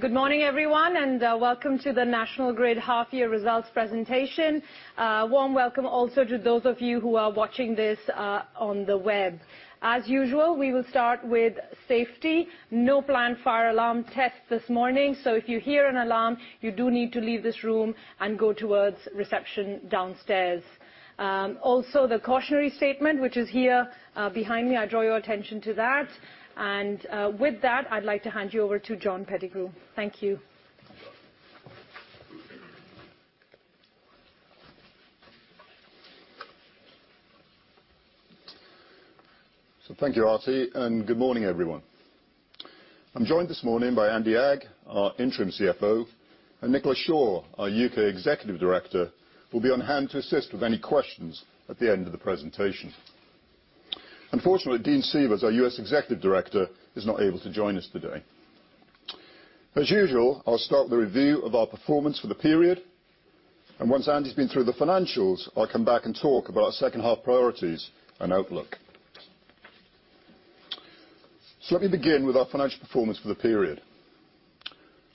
Good morning, everyone, and welcome to the National Grid half-year results presentation. A warm welcome also to those of you who are watching this on the web. As usual, we will start with safety. No planned fire alarm tests this morning, so if you hear an alarm, you do need to leave this room and go towards reception downstairs. Also, the cautionary statement, which is here behind me, I draw your attention to that. And with that, I'd like to hand you over to John Pettigrew. Thank you. Thank you, Arti, and good morning, everyone. I'm joined this morning by Andy Agg, our Interim CFO, and Nicola Shaw, our UK Executive Director, who will be on hand to assist with any questions at the end of the presentation. Unfortunately, Dean Seavers, our US Executive Director, is not able to join us today. As usual, I'll start with a review of our performance for the period, and once Andy's been through the financials, I'll come back and talk about our second half priorities and outlook. Let me begin with our financial performance for the period.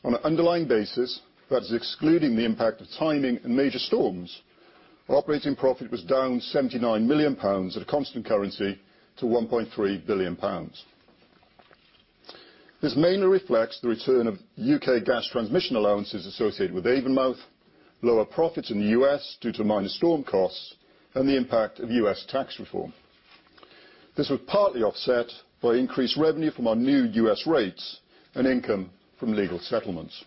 On an underlying basis, that is, excluding the impact of timing and major storms, our operating profit was down 79 million pounds at a constant currency to 1.3 billion pounds. This mainly reflects the return of U.K. Gas Transmission allowances associated with Avonmouth, lower profits in the U.S. due to minor storm costs, and the impact of U.S. tax reform. This was partly offset by increased revenue from our new U.S. rates and income from legal settlements.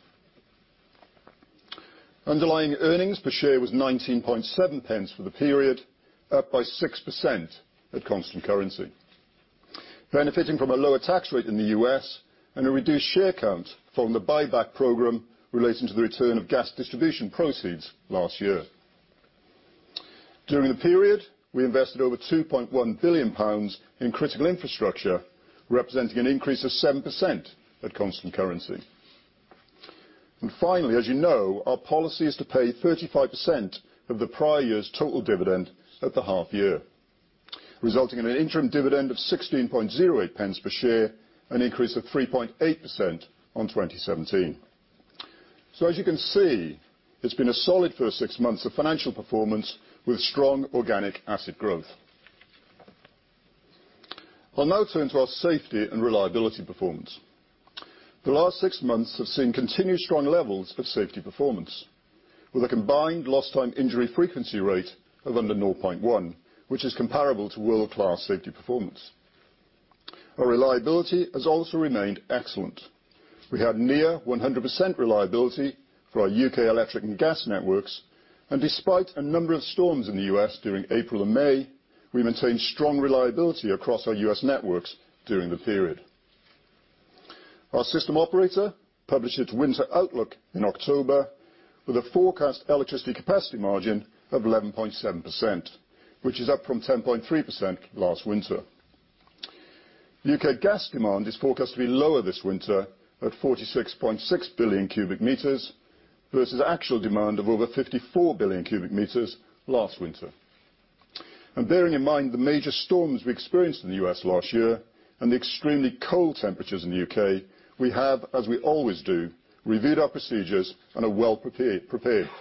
Underlying earnings per share was 19.7 for the period, up by 6% at constant currency, benefiting from a lower tax rate in the U.S. and a reduced share count from the buyback program relating to the return of gas distribution proceeds last year. During the period, we invested over 2.1 billion pounds in critical infrastructure, representing an increase of 7% at constant currency. Finally, as you know, our policy is to pay 35% of the prior year's total dividend at the half-year, resulting in an interim dividend of 16.08 per share, an increase of 3.8% on 2017. As you can see, it's been a solid first six months of financial performance with strong organic asset growth. I'll now turn to our safety and reliability performance. The last six months have seen continued strong levels of safety performance, with a combined lost-time injury frequency rate of under 0.1, which is comparable to world-class safety performance. Our reliability has also remained excellent. We had near 100% reliability for our U.K. electric and gas networks, and despite a number of storms in the U.S. during April and May, we maintained strong reliability across our U.S. networks during the period. Our system operator published its winter outlook in October with a forecast electricity capacity margin of 11.7%, which is up from 10.3% last winter. U.K. gas demand is forecast to be lower this winter at 46.6 billion cubic metres versus actual demand of over 54 billion cubic metres last winter. Bearing in mind the major storms we experienced in the U.S. last year and the extremely cold temperatures in the U.K., we have, as we always do, reviewed our procedures and are well prepared for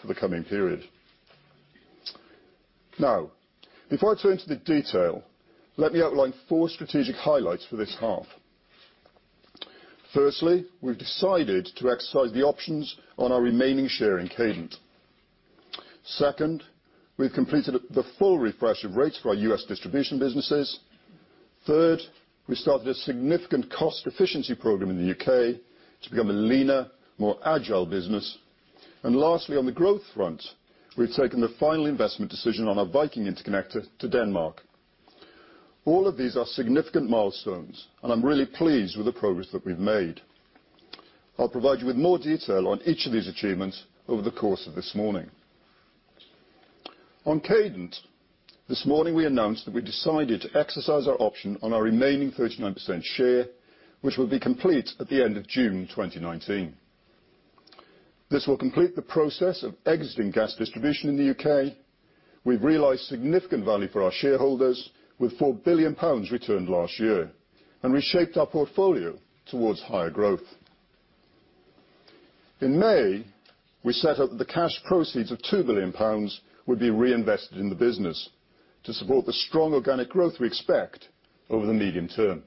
the coming period. Now, before I turn to the detail, let me outline four strategic highlights for this half. Firstly, we've decided to exercise the options on our remaining share in Cadent. Second, we've completed the full refresh of rates for our U.S. distribution businesses. Third, we started a significant cost efficiency program in the U.K. to become a leaner, more agile business. And lastly, on the growth front, we've taken the final investment decision on our Viking Link to Denmark. All of these are significant milestones, and I'm really pleased with the progress that we've made. I'll provide you with more detail on each of these achievements over the course of this morning. On Cadent, this morning we announced that we decided to exercise our option on our remaining 39% share, which will be complete at the end of June 2019. This will complete the process of exiting gas distribution in the U.K. We've realised significant value for our shareholders with 4 billion pounds returned last year, and we've shaped our portfolio towards higher growth. In May, we set out that the cash proceeds of 2 billion pounds would be reinvested in the business to support the strong organic growth we expect over the medium term.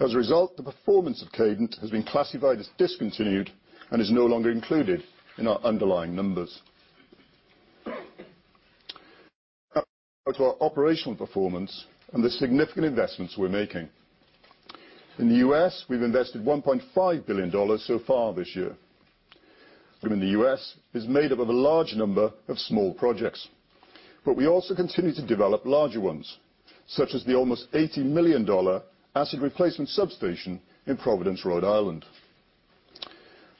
As a result, the performance of Cadent has been classified as discontinued and is no longer included in our underlying numbers. Now to our operational performance and the significant investments we're making. In the U.S., we've invested $1.5 billion so far this year. In the U.S., it's made up of a large number of small projects, but we also continue to develop larger ones, such as the almost $80 million asset replacement substation in Providence, Rhode Island.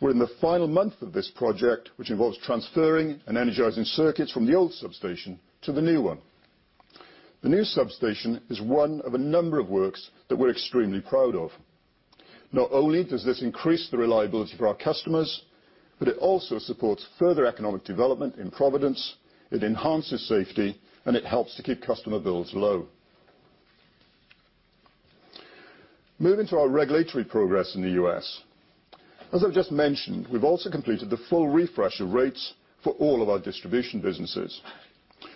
We're in the final month of this project, which involves transferring and energizing circuits from the old substation to the new one. The new substation is one of a number of works that we're extremely proud of. Not only does this increase the reliability for our customers, but it also supports further economic development in Providence. It enhances safety, and it helps to keep customer bills low. Moving to our regulatory progress in the U.S. As I've just mentioned, we've also completed the full refresh of rates for all of our distribution businesses,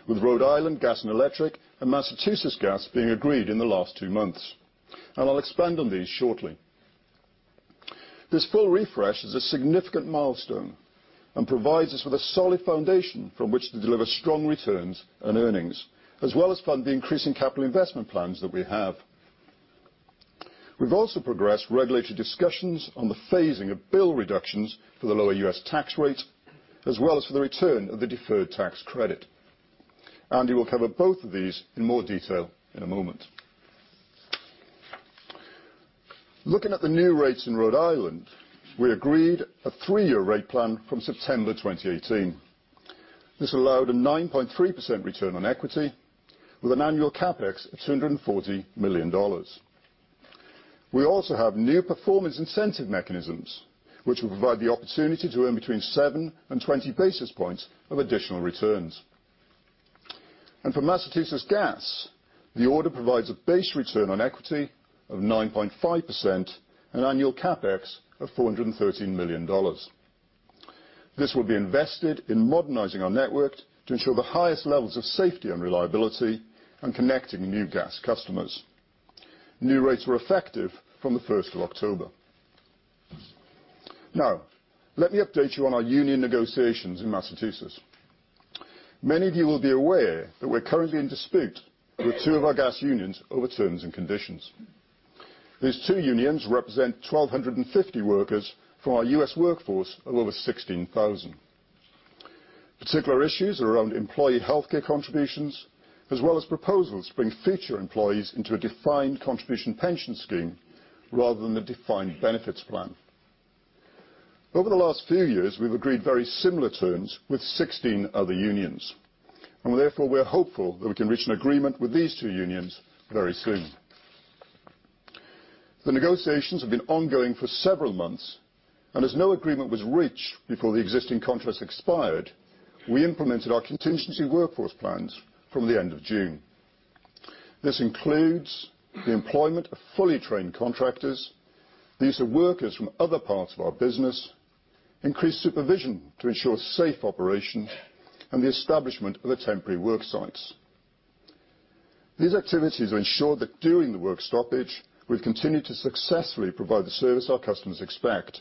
with Rhode Island Gas and Electric and Massachusetts Gas being agreed in the last two months, and I'll expand on these shortly. This full refresh is a significant milestone and provides us with a solid foundation from which to deliver strong returns and earnings, as well as fund the increasing capital investment plans that we have. We've also progressed regulatory discussions on the phasing of bill reductions for the lower U.S. tax rate, as well as for the return of the deferred tax credit. Andy will cover both of these in more detail in a moment. Looking at the new rates in Rhode Island, we agreed a three-year rate plan from September 2018. This allowed a 9.3% return on equity, with an annual CapEx of $240 million. We also have new performance incentive mechanisms, which will provide the opportunity to earn between 7 and 20 basis points of additional returns, and for Massachusetts Gas, the order provides a base return on equity of 9.5% and annual CapEx of $413 million. This will be invested in modernizing our network to ensure the highest levels of safety and reliability and connecting new gas customers. New rates were effective from the 1st of October. Now, let me update you on our union negotiations in Massachusetts. Many of you will be aware that we're currently in dispute with two of our gas unions over terms and conditions. These two unions represent 1,250 workers from our U.S. workforce of over 16,000. Particular issues are around employee healthcare contributions, as well as proposals to bring future employees into a defined contribution pension scheme rather than the defined benefit plan. Over the last few years, we've agreed very similar terms with 16 other unions, and therefore we're hopeful that we can reach an agreement with these two unions very soon. The negotiations have been ongoing for several months, and as no agreement was reached before the existing contracts expired, we implemented our contingency workforce plans from the end of June. This includes the employment of fully trained contractors, the use of workers from other parts of our business, increased supervision to ensure safe operation, and the establishment of temporary work sites. These activities have ensured that during the work stoppage, we've continued to successfully provide the service our customers expect,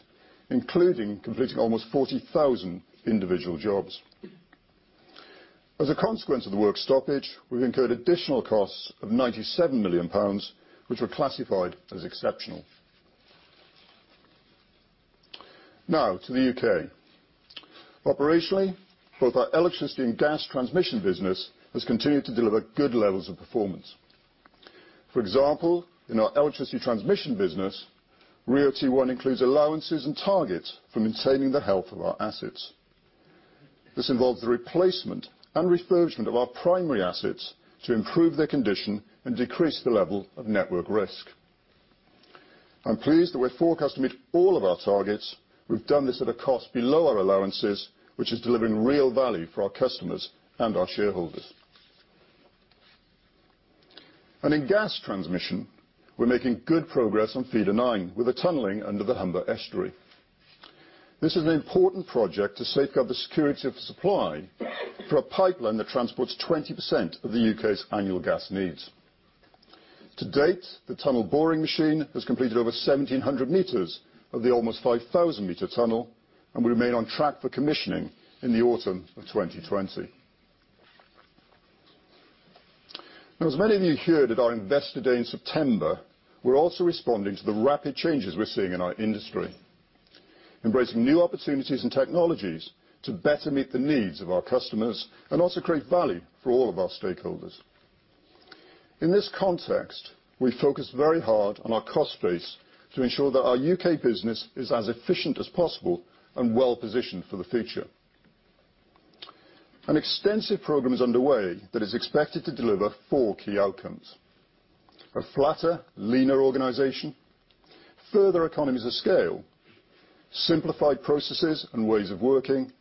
including completing almost 40,000 individual jobs. As a consequence of the work stoppage, we've incurred additional costs of 97 million pounds, which were classified as exceptional. Now to the U.K. Operationally, both our Electricity and Gas Transmission business has continued to deliver good levels of performance. For example, in our electricity transmission business, RIIO-T1 includes allowances and targets for maintaining the health of our assets. This involves the replacement and refurbishment of our primary assets to improve their condition and decrease the level of network risk. I'm pleased that we're forecast to meet all of our targets. We've done this at a cost below our allowances, which is delivering real value for our customers and our shareholders. In Gas Transmission, we're making good progress on Feeder 9, with the tunneling under the Humber Estuary. This is an important project to safeguard the security of supply for a pipeline that transports 20% of the U.K.'s annual gas needs. To date, the tunnel boring machine has completed over 1,700 m of the almost 5,000 m tunnel, and we remain on track for commissioning in the autumn of 2020. Now, as many of you heard at our investor day in September, we're also responding to the rapid changes we're seeing in our industry, embracing new opportunities and technologies to better meet the needs of our customers and also create value for all of our stakeholders. In this context, we focus very hard on our cost base to ensure that our U.K. business is as efficient as possible and well positioned for the future. An extensive program is underway that is expected to deliver four key outcomes: a flatter, leaner organization, further economies of scale, simplified processes and ways of working,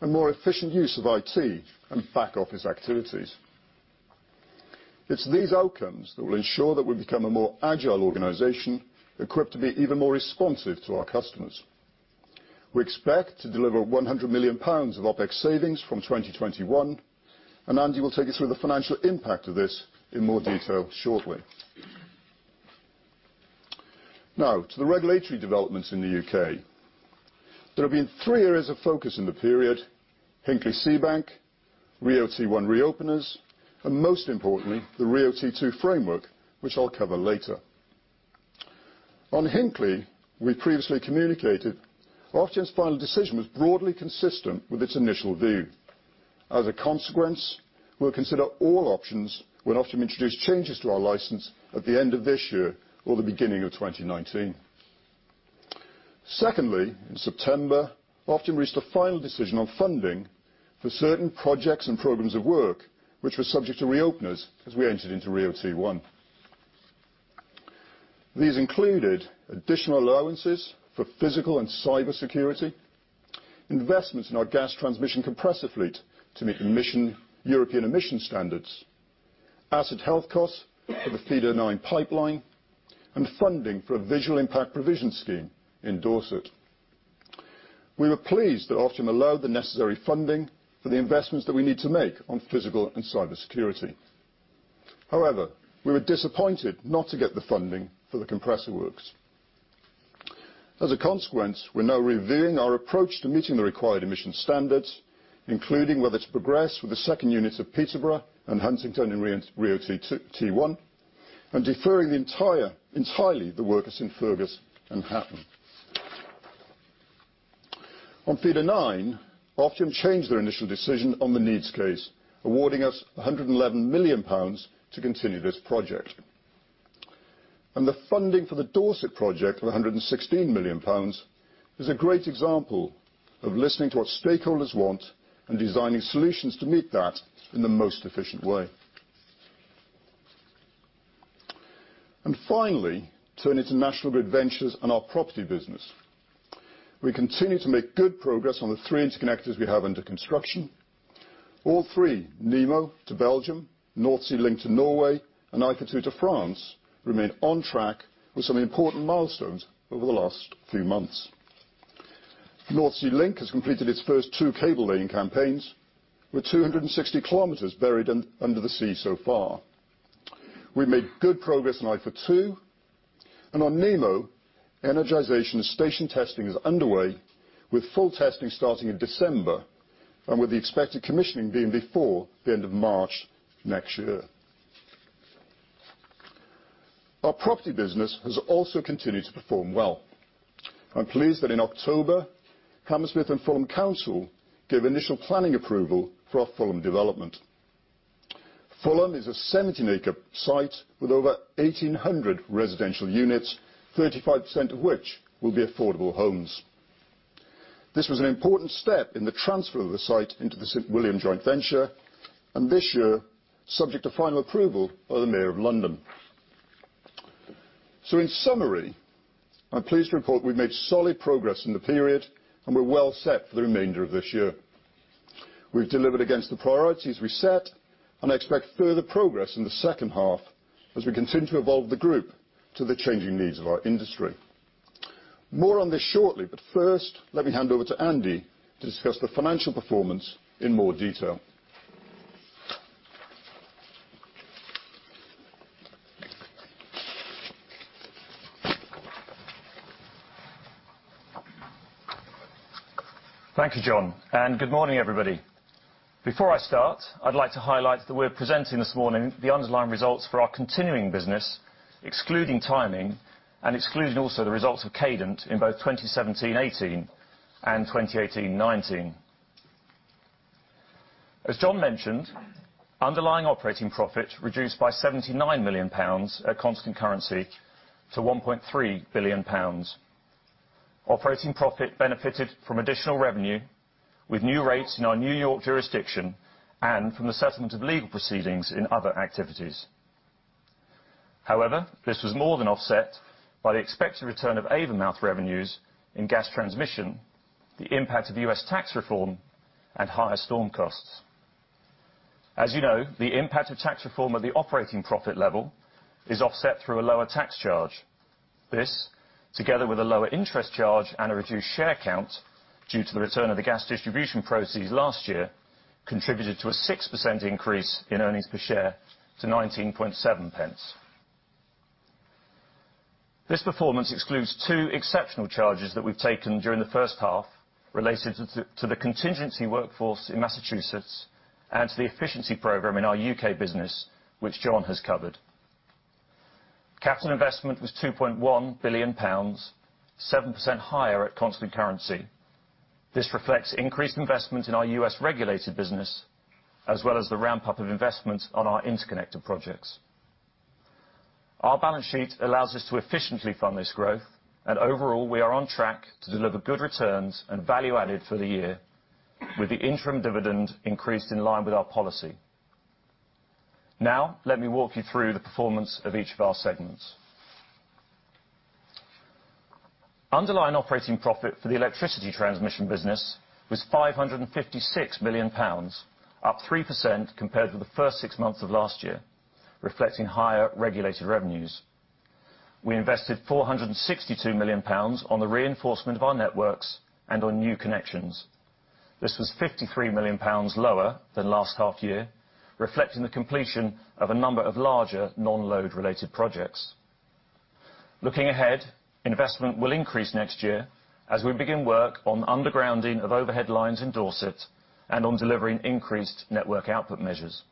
and more efficient use of IT and back office activities. It's these outcomes that will ensure that we become a more agile organization equipped to be even more responsive to our customers. We expect to deliver 100 million pounds of OpEx savings from 2021, and Andy will take us through the financial impact of this in more detail shortly. Now, to the regulatory developments in the U.K. There have been three areas of focus in the period: Hinkley Seabank, RIIO-T1 reopeners, and most importantly, the RIIO-T2 framework, which I'll cover later. On Hinkley, we previously communicated Ofgem's final decision was broadly consistent with its initial view. As a consequence, we'll consider all options when Ofgem introduces changes to our license at the end of this year or the beginning of 2019. Secondly, in September, Ofgem reached a final decision on funding for certain projects and programs of work which were subject to reopeners as we entered into RIIO-T1. These included additional allowances for physical and cyber security, investments in our gas transmission compressor fleet to meet the European emission standards, asset health costs for the Feeder 9 pipeline, and funding for a visual impact provision scheme in Dorset. We were pleased that Ofgem allowed the necessary funding for the investments that we need to make on physical and cyber security. However, we were disappointed not to get the funding for the compressor works. As a consequence, we're now reviewing our approach to meeting the required emission standards, including whether to progress with the second units of Peterborough and Huntingdon in RIIO-T1 and deferring entirely the works in Fergus and Hatton. On Feeder 9, Ofgem changed their initial decision on the needs case, awarding us 111 million pounds to continue this project. The funding for the Dorset project of 116 million pounds is a great example of listening to what stakeholders want and designing solutions to meet that in the most efficient way. Finally, turning to National Grid Ventures and our property business, we continue to make good progress on the three interconnectors we have under construction. All three, Nemo to Belgium, North Sea Link to Norway, IFA2 to France, remain on track with some important milestones over the last few months. North Sea Link has completed its first two cable laying campaigns with 260 km buried under the sea so far. We've made good progress IFA2, and on Nemo, energization and station testing is underway, with full testing starting in December and with the expected commissioning being before the end of March next year. Our property business has also continued to perform well. I'm pleased that in October, Hammersmith and Fulham Council gave initial planning approval for our Fulham development. Fulham is a 17-acre site with over 1,800 residential units, 35% of which will be affordable homes. This was an important step in the transfer of the site into the St William Joint Venture, and this year subject to final approval by the Mayor of London. So, in summary, I'm pleased to report we've made solid progress in the period, and we're well set for the remainder of this year. We've delivered against the priorities we set, and I expect further progress in the second half as we continue to evolve the group to the changing needs of our industry. More on this shortly, but first, let me hand over to Andy to discuss the financial performance in more detail. Thank you, John, and good morning, everybody. Before I start, I'd like to highlight that we're presenting this morning the underlying results for our continuing business, excluding timing and excluding also the results of Cadent in both 2017-2018 and 2018-2019. As John mentioned, underlying operating profit reduced by 79 million pounds at constant currency to 1.3 billion pounds. Operating profit benefited from additional revenue with new rates in our New York jurisdiction and from the settlement of legal proceedings in other activities. However, this was more than offset by the expected return of Avonmouth revenues in Gas Transmission, the impact of U.S. tax reform, and higher storm costs. As you know, the impact of tax reform at the operating profit level is offset through a lower tax charge. This, together with a lower interest charge and a reduced share count due to the return of the gas distribution proceeds last year, contributed to a 6% increase in earnings per share to 0.197. This performance excludes two exceptional charges that we've taken during the first half related to the contingency workforce in Massachusetts and to the efficiency program in our U.K. business, which John has covered. Capital investment was 2.1 billion pounds, 7% higher at constant currency. This reflects increased investment in our US Regulated business, as well as the ramp-up of investment on our interconnected projects. Our balance sheet allows us to efficiently fund this growth, and overall, we are on track to deliver good returns and value added for the year, with the interim dividend increased in line with our policy. Now, let me walk you through the performance of each of our segments. Underlying operating profit for the Electricity Transmission business was 556 million pounds, up 3% compared with the first six months of last year, reflecting higher regulated revenues. We invested 462 million pounds on the reinforcement of our networks and on new connections. This was 53 million pounds lower than last half year, reflecting the completion of a number of larger non-load related projects. Looking ahead, investment will increase next year as we begin work on undergrounding of overhead lines in Dorset and on delivering increased network output measures.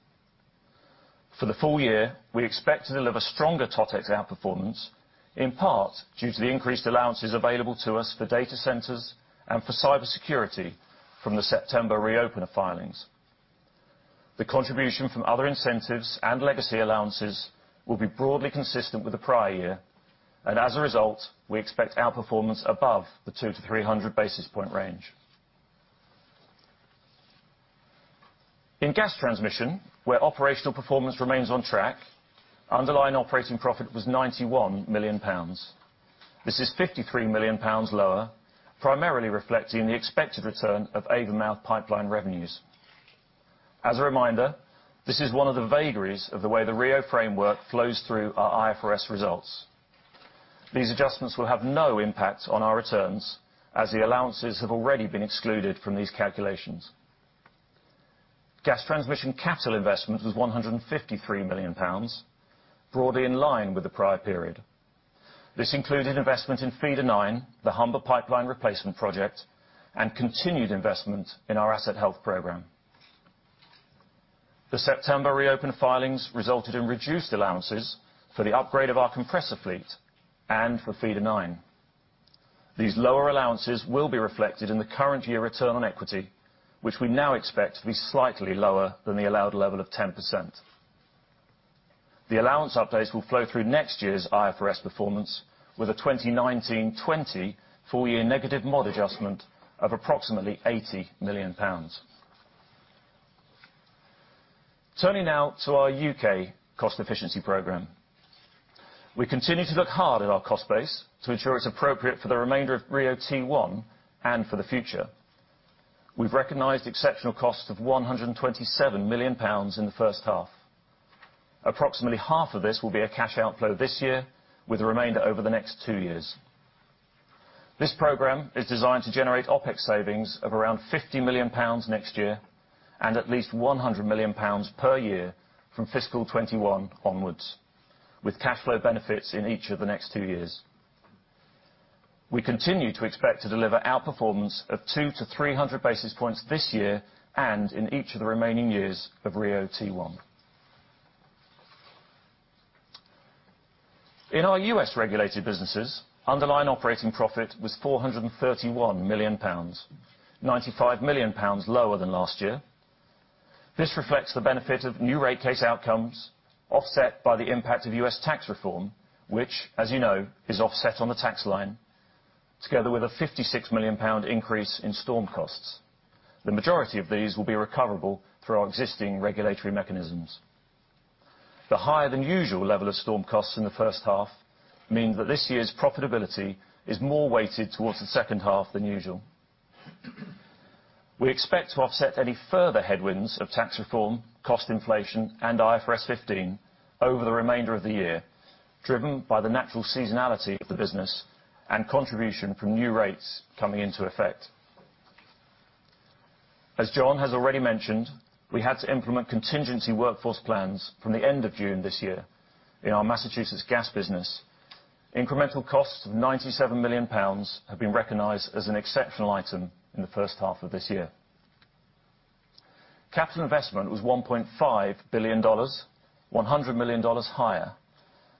For the full year, we expect to deliver stronger TotEx outperformance, in part due to the increased allowances available to us for data centers and for cybersecurity from the September reopener filings. The contribution from other incentives and legacy allowances will be broadly consistent with the prior year, and as a result, we expect outperformance above the 200-300 basis point range. In Gas Transmission, where operational performance remains on track, underlying operating profit was 91 million pounds. This is 53 million pounds lower, primarily reflecting the expected return of Avonmouth pipeline revenues. As a reminder, this is one of the vagaries of the way the RIIO framework flows through our IFRS results. These adjustments will have no impact on our returns, as the allowances have already been excluded from these calculations. Gas transmission capital investment was 153 million pounds, broadly in line with the prior period. This included investment in Feeder 9, the Humber pipeline replacement project, and continued investment in our asset health program. The September reopener filings resulted in reduced allowances for the upgrade of our compressor fleet and for Feeder 9. These lower allowances will be reflected in the current year return on equity, which we now expect to be slightly lower than the allowed level of 10%. The allowance updates will flow through next year's IFRS performance with a 2019-2020 full-year negative MOD adjustment of approximately 80 million pounds. Turning now to our U.K. cost efficiency program. We continue to look hard at our cost base to ensure it's appropriate for the remainder of RIIO-T1 and for the future. We've recognized exceptional costs of 127 million pounds in the first half. Approximately half of this will be a cash outflow this year, with the remainder over the next two years. This program is designed to generate OpEx savings of around 50 million pounds next year and at least 100 million pounds per year from fiscal 2021 onwards, with cash flow benefits in each of the next two years. We continue to expect to deliver outperformance of 200 to 300 basis points this year and in each of the remaining years of RIIO-T1. In our US Regulated business, underlying operating profit was GBP 431 million, GBP 95 million lower than last year. This reflects the benefit of new rate case outcomes offset by the impact of U.S. tax reform, which, as you know, is offset on the tax line, together with a 56 million pound increase in storm costs. The majority of these will be recoverable through our existing regulatory mechanisms. The higher than usual level of storm costs in the first half means that this year's profitability is more weighted towards the second half than usual. We expect to offset any further headwinds of tax reform, cost inflation, and IFRS 15 over the remainder of the year, driven by the natural seasonality of the business and contribution from new rates coming into effect. As John has already mentioned, we had to implement contingency workforce plans from the end of June this year in our Massachusetts gas business. Incremental costs of 97 million pounds have been recognised as an exceptional item in the first half of this year. Capital investment was $1.5 billion, $100 million higher.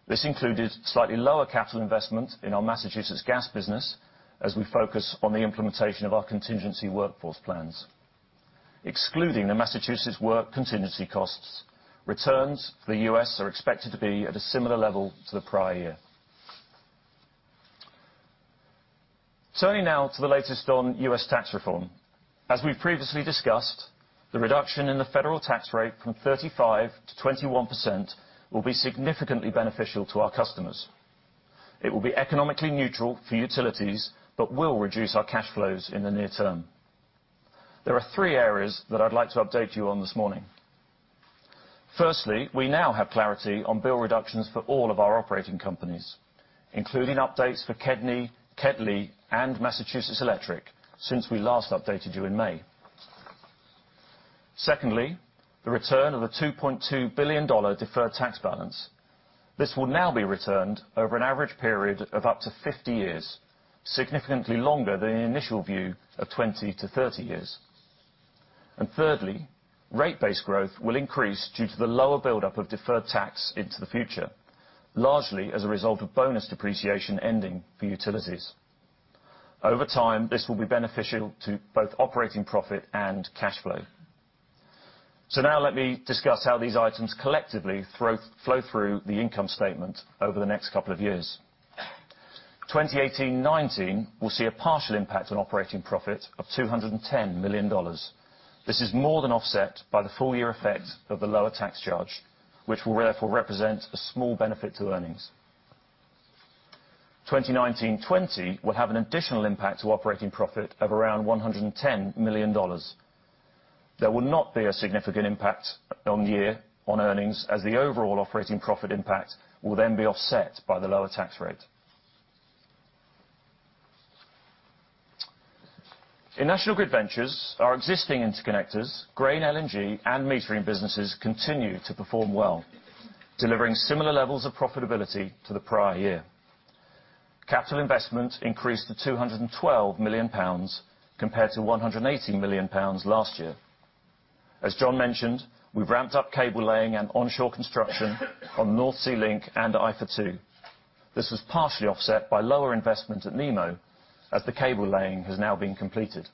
This included slightly lower capital investment in our Massachusetts gas business as we focus on the implementation of our contingency workforce plans. Excluding the Massachusetts work contingency costs, returns for the US are expected to be at a similar level to the prior year. Turning now to the latest on U.S. tax reform. As we've previously discussed, the reduction in the federal tax rate from 35% to 21% will be significantly beneficial to our customers. It will be economically neutral for utilities but will reduce our cash flows in the near term. There are three areas that I'd like to update you on this morning. Firstly, we now have clarity on bill reductions for all of our operating companies, including updates for KEDNY, KEDLI, and Massachusetts Electric since we last updated you in May. Secondly, the return of the $2.2 billion deferred tax balance. This will now be returned over an average period of up to 50 years, significantly longer than the initial view of 20 to 30 years. And thirdly, rate-based growth will increase due to the lower build-up of deferred tax into the future, largely as a result of bonus depreciation ending for utilities. Over time, this will be beneficial to both operating profit and cash flow. So now let me discuss how these items collectively flow through the income statement over the next couple of years, 2018-2019 will see a partial impact on operating profit of $210 million. This is more than offset by the full-year effect of the lower tax charge, which will therefore represent a small benefit to earnings, 2019-2020 will have an additional impact to operating profit of around $110 million. There will not be a significant impact on the year on earnings, as the overall operating profit impact will then be offset by the lower tax rate. In National Grid Ventures, our existing interconnectors, Grain LNG, and metering businesses continue to perform well, delivering similar levels of profitability to the prior year. Capital investment increased to 212 million pounds compared to 180 million pounds last year. As John mentioned, we've ramped up cable laying and onshore construction on North Sea Link IFA2. this was partially offset by lower investment at Nemo, as the cable laying has now been completed.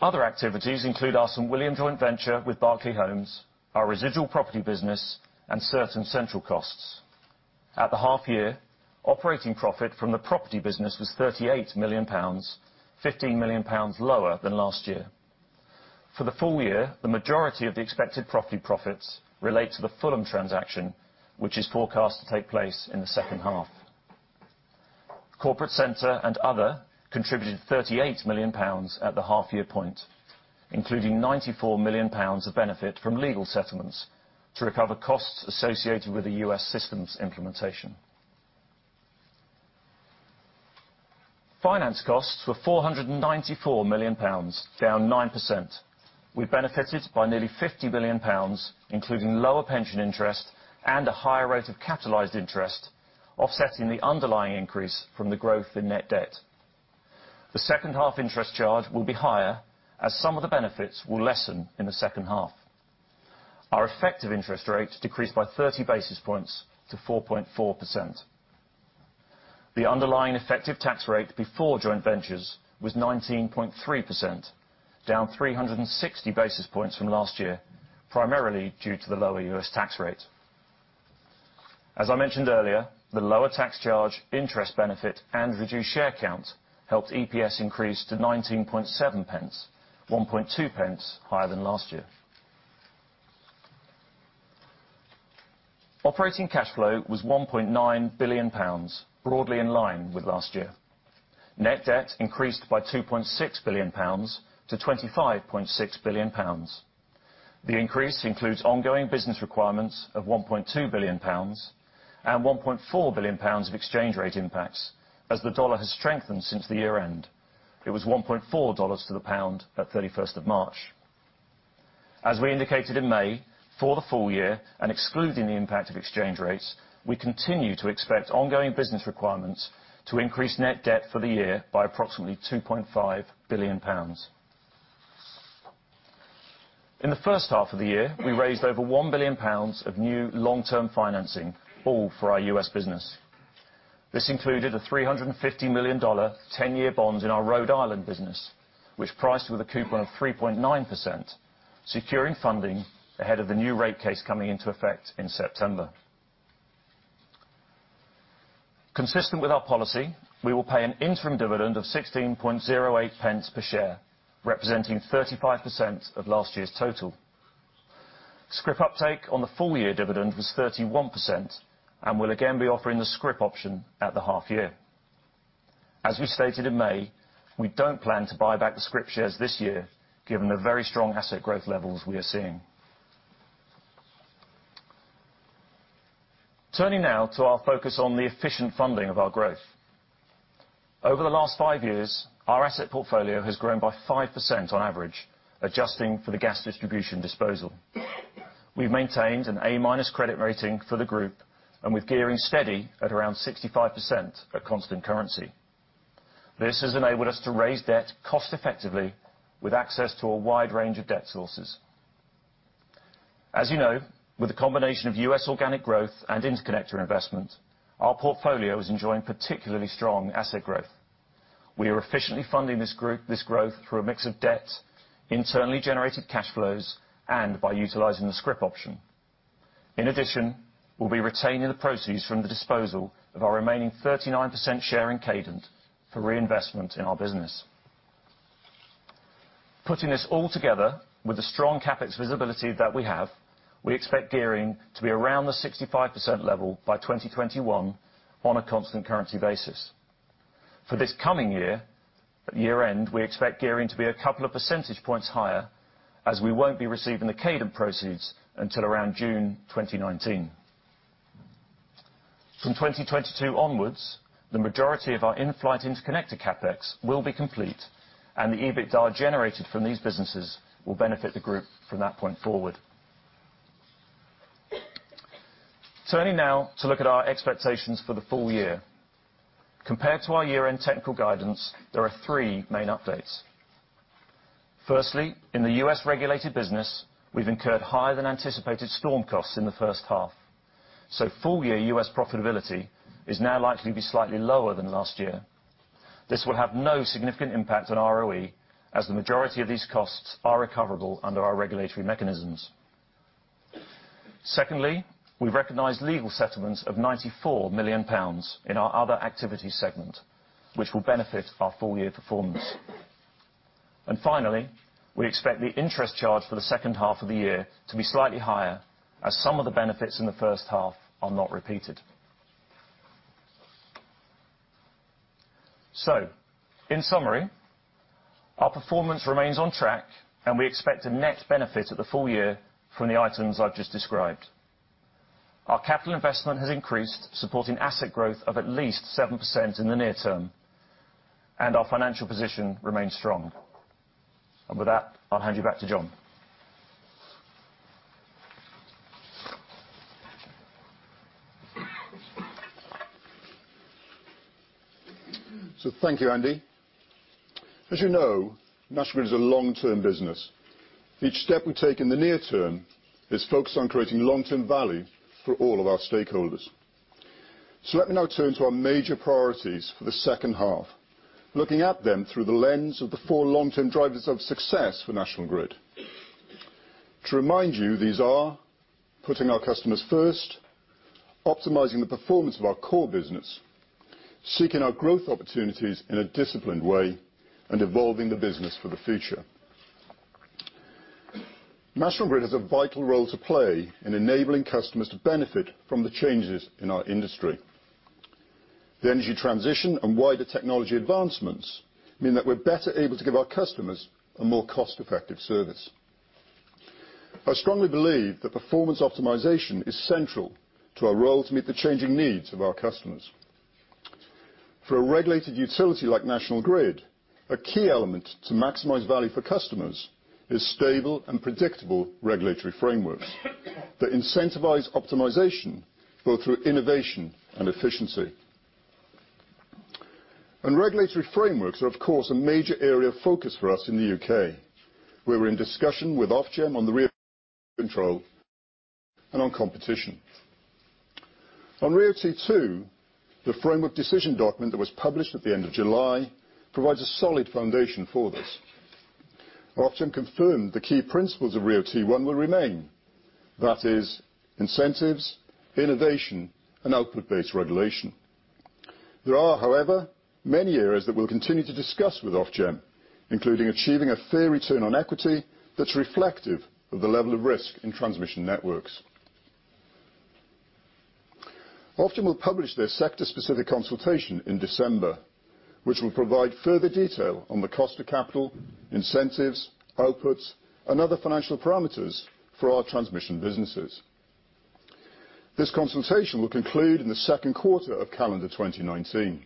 Other activities include our St William Joint Venture with Berkeley Homes, our residual property business, and certain central costs. At the half year, operating profit from the property business was 38 million pounds, 15 million pounds lower than last year. For the full year, the majority of the expected property profits relate to the Fulham transaction, which is forecast to take place in the second half. Corporate Centre and Other contributed 38 million pounds at the half year point, including 94 million pounds of benefit from legal settlements to recover costs associated with the U.S. systems implementation. Finance costs were 494 million pounds, down 9%. We benefited by nearly 50 million pounds, including lower pension interest and a higher rate of capitalised interest, offsetting the underlying increase from the growth in net debt. The second half interest charge will be higher, as some of the benefits will lessen in the second half. Our effective interest rate decreased by 30 basis points to 4.4%. The underlying effective tax rate before joint ventures was 19.3%, down 360 basis points from last year, primarily due to the lower U.S. tax rate. As I mentioned earlier, the lower tax charge, interest benefit, and reduced share count helped EPS increase to 19.7 pence, 1.2 pence higher than last year. Operating cash flow was 1.9 billion pounds, broadly in line with last year. Net debt increased by 2.6 billion pounds to 25.6 billion pounds. The increase includes ongoing business requirements of 1.2 billion pounds and 1.4 billion pounds of exchange rate impacts, as the dollar has strengthened since the year-end. It was $1.4 to the pound at 31st of March. As we indicated in May, for the full year and excluding the impact of exchange rates, we continue to expect ongoing business requirements to increase net debt for the year by approximately 2.5 billion pounds. In the first half of the year, we raised over 1 billion pounds of new long-term financing, all for our U.S. business. This included a $350 million 10-year bond in our Rhode Island business, which priced with a coupon of 3.9%, securing funding ahead of the new rate case coming into effect in September. Consistent with our policy, we will pay an interim dividend of 16.08 per share, representing 35% of last year's total. scrip uptake on the full year dividend was 31% and will again be offering the scrip option at the half year. As we stated in May, we don't plan to buy back the scrip shares this year, given the very strong asset growth levels we are seeing. Turning now to our focus on the efficient funding of our growth. Over the last five years, our asset portfolio has grown by 5% on average, adjusting for the gas distribution disposal. We've maintained an A- credit rating for the group and with gearing steady at around 65% at constant currency. This has enabled us to raise debt cost-effectively with access to a wide range of debt sources. As you know, with the combination of U.S. organic growth and interconnector investment, our portfolio is enjoying particularly strong asset growth. We are efficiently funding this growth through a mix of debt, internally generated cash flows, and by utilizing the scrip option. In addition, we'll be retaining the proceeds from the disposal of our remaining 39% share in Cadent for reinvestment in our business. Putting this all together with the strong CapEx visibility that we have, we expect gearing to be around the 65% level by 2021 on a constant currency basis. For this coming year-end, we expect gearing to be a couple of percentage points higher, as we won't be receiving the Cadent proceeds until around June 2019. From 2022 onwards, the majority of our in-flight interconnector CapEx will be complete, and the EBITDA generated from these businesses will benefit the group from that point forward. Turning now to look at our expectations for the full year. Compared to our year-end technical guidance, there are three main updates. Firstly, in the US Regulated business, we've incurred higher than anticipated storm costs in the first half. Full-year U.S. profitability is now likely to be slightly lower than last year. This will have no significant impact on ROE, as the majority of these costs are recoverable under our regulatory mechanisms. Secondly, we've recognized legal settlements of 94 million pounds in our other activity segment, which will benefit our full-year performance. And finally, we expect the interest charge for the second half of the year to be slightly higher, as some of the benefits in the first half are not repeated. So, in summary, our performance remains on track, and we expect a net benefit at the full year from the items I've just described. Our capital investment has increased, supporting asset growth of at least 7% in the near term, and our financial position remains strong. And with that, I'll hand you back to John. So thank you, Andy. As you know, National Grid is a long-term business. Each step we take in the near term is focused on creating long-term value for all of our stakeholders. So let me now turn to our major priorities for the second half, looking at them through the lens of the four long-term drivers of success for National Grid. To remind you, these are putting our customers first, optimizing the performance of our core business, seeking our growth opportunities in a disciplined way, and evolving the business for the future. National Grid has a vital role to play in enabling customers to benefit from the changes in our industry. The energy transition and wider technology advancements mean that we're better able to give our customers a more cost-effective service. I strongly believe that performance optimization is central to our role to meet the changing needs of our customers. For a regulated utility like National Grid, a key element to maximize value for customers is stable and predictable regulatory frameworks that incentivize optimization both through innovation and efficiency. Regulatory frameworks are, of course, a major area of focus for us in the U.K., where we're in discussion with Ofgem on the RIIO-T control and on competition. On RIIO-T2, the framework decision document that was published at the end of July provides a solid foundation for this. Ofgem confirmed the key principles of RIIO-T1 will remain. That is, incentives, innovation, and output-based regulation. There are, however, many areas that we'll continue to discuss with Ofgem, including achieving a fair return on equity that's reflective of the level of risk in transmission networks. Ofgem will publish their sector-specific consultation in December, which will provide further detail on the cost of capital, incentives, outputs, and other financial parameters for our transmission businesses. This consultation will conclude in the second quarter of calendar 2019.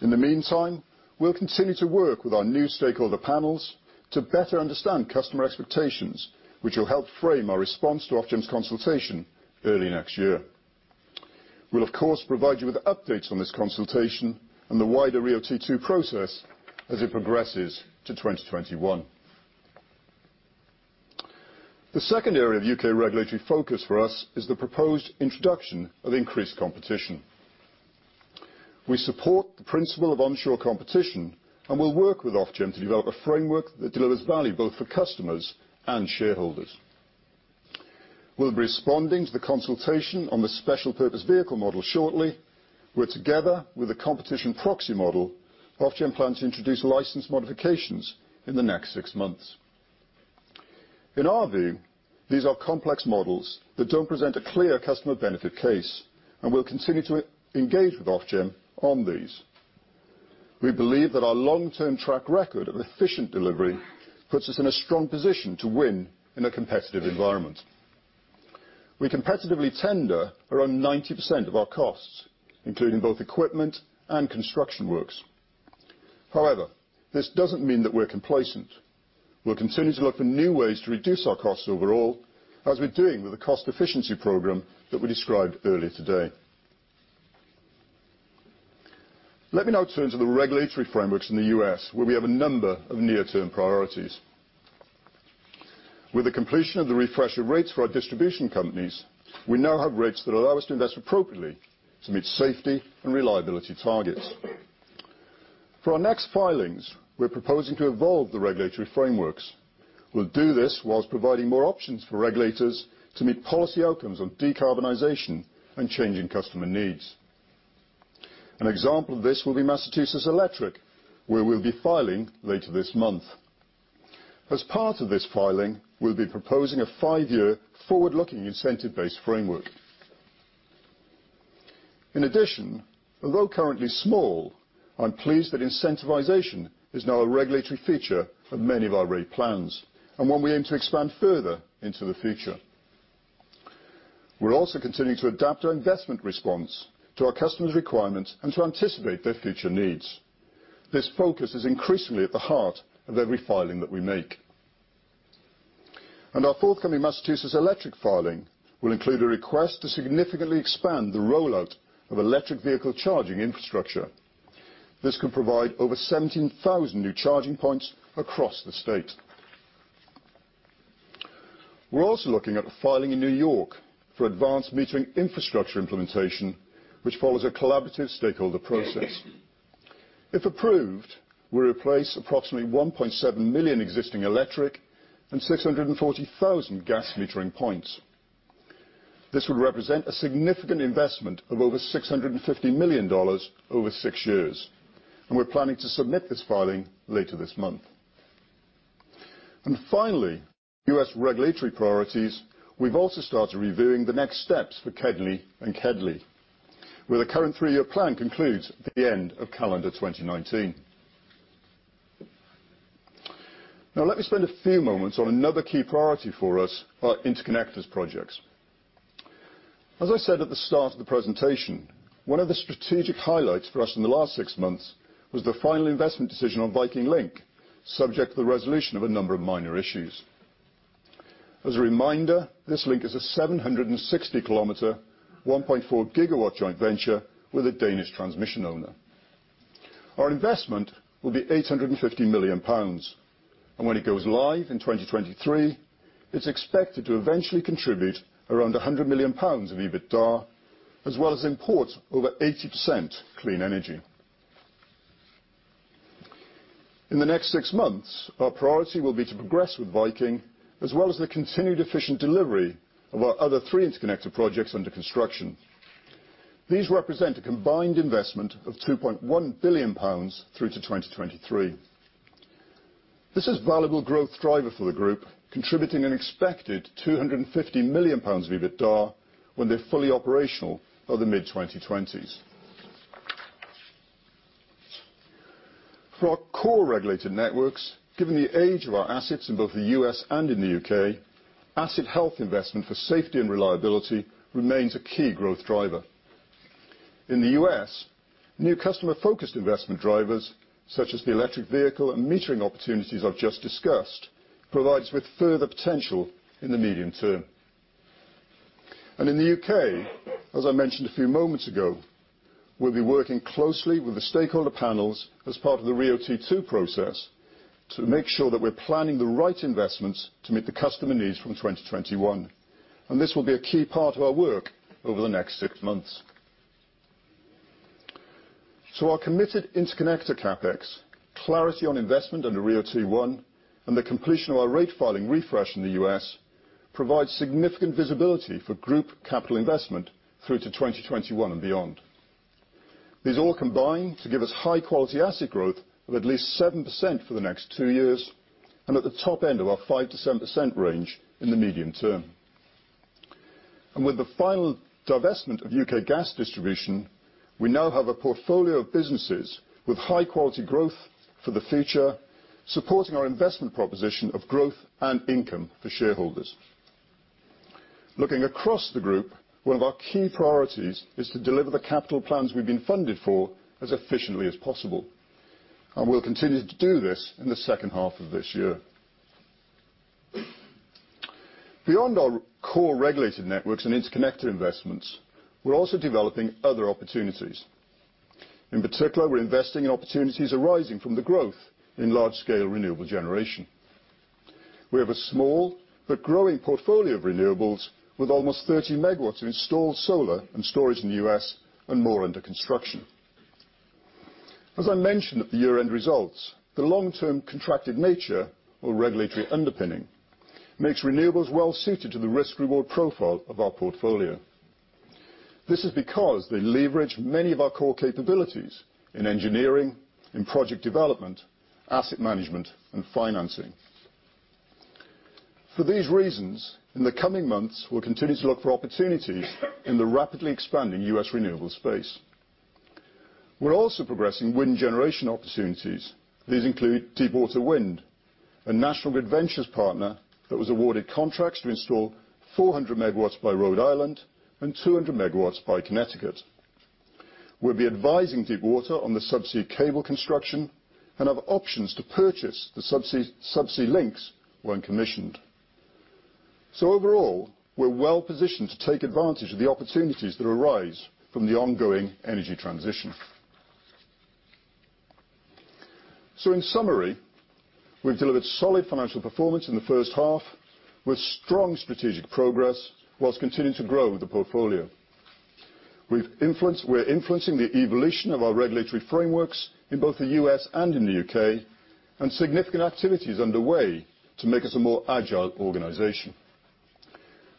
In the meantime, we'll continue to work with our new stakeholder panels to better understand customer expectations, which will help frame our response to Ofgem's consultation early next year. We'll, of course, provide you with updates on this consultation and the wider RIIO-T2 process as it progresses to 2021. The second area of U.K. regulatory focus for us is the proposed introduction of increased competition. We support the principle of onshore competition and will work with Ofgem to develop a framework that delivers value both for customers and shareholders. We're responding to the consultation on the special purpose vehicle model shortly, where together with the competition proxy model, Ofgem plans to introduce license modifications in the next six months. In our view, these are complex models that don't present a clear customer benefit case, and we'll continue to engage with Ofgem on these. We believe that our long-term track record of efficient delivery puts us in a strong position to win in a competitive environment. We competitively tender around 90% of our costs, including both equipment and construction works. However, this doesn't mean that we're complacent. We'll continue to look for new ways to reduce our costs overall, as we're doing with the cost efficiency program that we described earlier today. Let me now turn to the regulatory frameworks in the U.S., where we have a number of near-term priorities. With the completion of the refresher rates for our distribution companies, we now have rates that allow us to invest appropriately to meet safety and reliability targets. For our next filings, we're proposing to evolve the regulatory frameworks. We'll do this whilst providing more options for regulators to meet policy outcomes on decarbonization and changing customer needs. An example of this will be Massachusetts Electric, where we'll be filing later this month. As part of this filing, we'll be proposing a five-year forward-looking incentive-based framework. In addition, although currently small, I'm pleased that incentivization is now a regulatory feature of many of our rate plans and one we aim to expand further into the future. We're also continuing to adapt our investment response to our customers' requirements and to anticipate their future needs. This focus is increasingly at the heart of every filing that we make. Our forthcoming Massachusetts Electric filing will include a request to significantly expand the rollout of electric vehicle charging infrastructure. This could provide over 17,000 new charging points across the state. We're also looking at filing in New York for advanced metering infrastructure implementation, which follows a collaborative stakeholder process. If approved, we'll replace approximately 1.7 million existing electric and 640,000 gas metering points. This would represent a significant investment of over $650 million over six years, and we're planning to submit this filing later this month. Finally, U.S. regulatory priorities, we've also started reviewing the next steps for KEDNY and KEDLI, where the current three-year plan concludes at the end of calendar 2019. Now, let me spend a few moments on another key priority for us, our interconnectors projects. As I said at the start of the presentation, one of the strategic highlights for us in the last six months was the final investment decision on Viking Link, subject to the resolution of a number of minor issues. As a reminder, this link is a 760 km, 1.4 GW joint venture with a Danish transmission owner. Our investment will be 850 million pounds, and when it goes live in 2023, it's expected to eventually contribute around 100 million pounds of EBITDA, as well as import over 80% clean energy. In the next six months, our priority will be to progress with Viking, as well as the continued efficient delivery of our other three interconnector projects under construction. These represent a combined investment of 2.1 billion pounds through to 2023. This is a valuable growth driver for the group, contributing an expected 250 million pounds of EBITDA when they're fully operational by the mid-2020s. For our core regulated networks, given the age of our assets in both the U.S. and in the U.K., asset health investment for safety and reliability remains a key growth driver. In the U.S., new customer-focused investment drivers, such as the electric vehicle and metering opportunities I've just discussed, provide us with further potential in the medium term, and in the U.K., as I mentioned a few moments ago, we'll be working closely with the stakeholder panels as part of the RIIO-T2 process to make sure that we're planning the right investments to meet the customer needs from 2021, and this will be a key part of our work over the next six months, so our committed interconnector CapEx, clarity on investment under RIIO-T1, and the completion of our rate filing refresh in the U.S. provide significant visibility for group capital investment through to 2021 and beyond. These all combine to give us high-quality asset growth of at least 7% for the next two years and at the top end of our 5%-7% range in the medium term, and with the final divestment of U.K. gas distribution, we now have a portfolio of businesses with high-quality growth for the future, supporting our investment proposition of growth and income for shareholders. Looking across the group, one of our key priorities is to deliver the capital plans we've been funded for as efficiently as possible, and we'll continue to do this in the second half of this year. Beyond our core regulated networks and interconnector investments, we're also developing other opportunities. In particular, we're investing in opportunities arising from the growth in large-scale renewable generation. We have a small but growing portfolio of renewables with almost 30 MW of installed solar and storage in the U.S. and more under construction. As I mentioned at the year-end results, the long-term contracted nature or regulatory underpinning makes renewables well-suited to the risk-reward profile of our portfolio. This is because they leverage many of our core capabilities in engineering, in project development, asset management, and financing. For these reasons, in the coming months, we'll continue to look for opportunities in the rapidly expanding U.S. renewable space. We're also progressing wind generation opportunities. These include Deepwater Wind, a National Grid Ventures partner that was awarded contracts to install 400 MW by Rhode Island and 200 MW by Connecticut. We'll be advising Deepwater on the subsea cable construction and have options to purchase the subsea links when commissioned. So overall, we're well-positioned to take advantage of the opportunities that arise from the ongoing energy transition. So in summary, we've delivered solid financial performance in the first half with strong strategic progress while continuing to grow the portfolio. We're influencing the evolution of our regulatory frameworks in both the U.S. and in the U.K., and significant activity is underway to make us a more agile organization.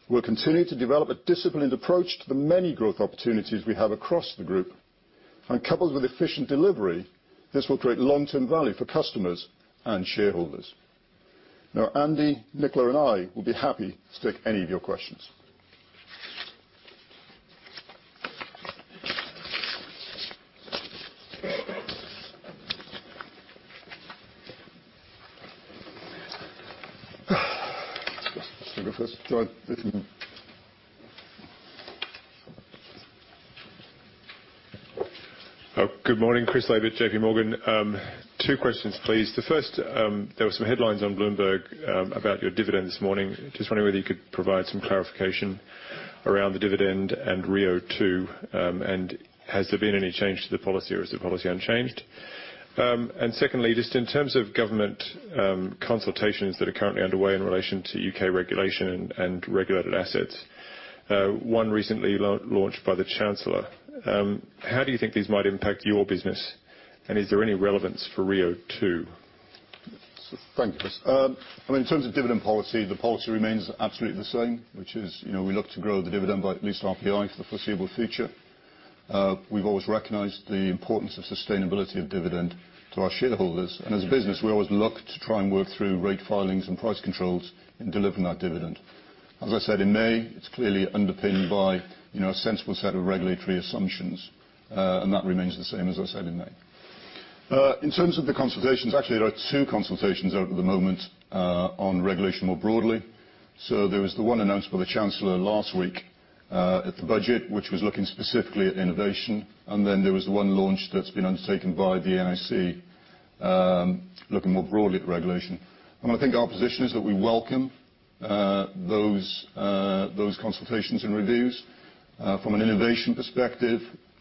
We'll continue to develop a disciplined approach to the many growth opportunities we have across the group, and coupled with efficient delivery, this will create long-term value for customers and shareholders. Now, Andy, Nicola, and I will be happy to take any of your questions. Good morning, Chris Laybutt, JPMorgan. Two questions, please. The first, there were some headlines on Bloomberg about your dividend this morning. Just wondering whether you could provide some clarification around the dividend and RIIO-T2, and has there been any change to the policy or is the policy unchanged? And secondly, just in terms of government consultations that are currently underway in relation to U.K. regulation and regulated assets, one recently launched by the Chancellor. How do you think these might impact your business, and is there any relevance for RIIO-T2? Thank you, Chris. I mean, in terms of dividend policy, the policy remains absolutely the same, which is we look to grow the dividend by at least RPI for the foreseeable future. We've always recognized the importance of sustainability of dividend to our shareholders, and as a business, we always look to try and work through rate filings and price controls in delivering that dividend. As I said in May, it's clearly underpinned by a sensible set of regulatory assumptions, and that remains the same, as I said in May. In terms of the consultations, actually, there are two consultations at the moment on regulation more broadly. So there was the one announced by the Chancellor last week at the budget, which was looking specifically at innovation, and then there was the one launched that's been undertaken by the NIC, looking more broadly at regulation. And I think our position is that we welcome those consultations and reviews. From an innovation perspective,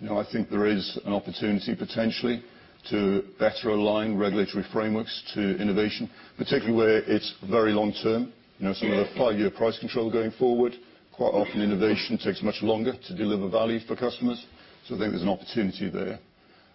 I think there is an opportunity potentially to better align regulatory frameworks to innovation, particularly where it's very long-term. Some of the five-year price control going forward, quite often innovation takes much longer to deliver value for customers, so I think there's an opportunity there.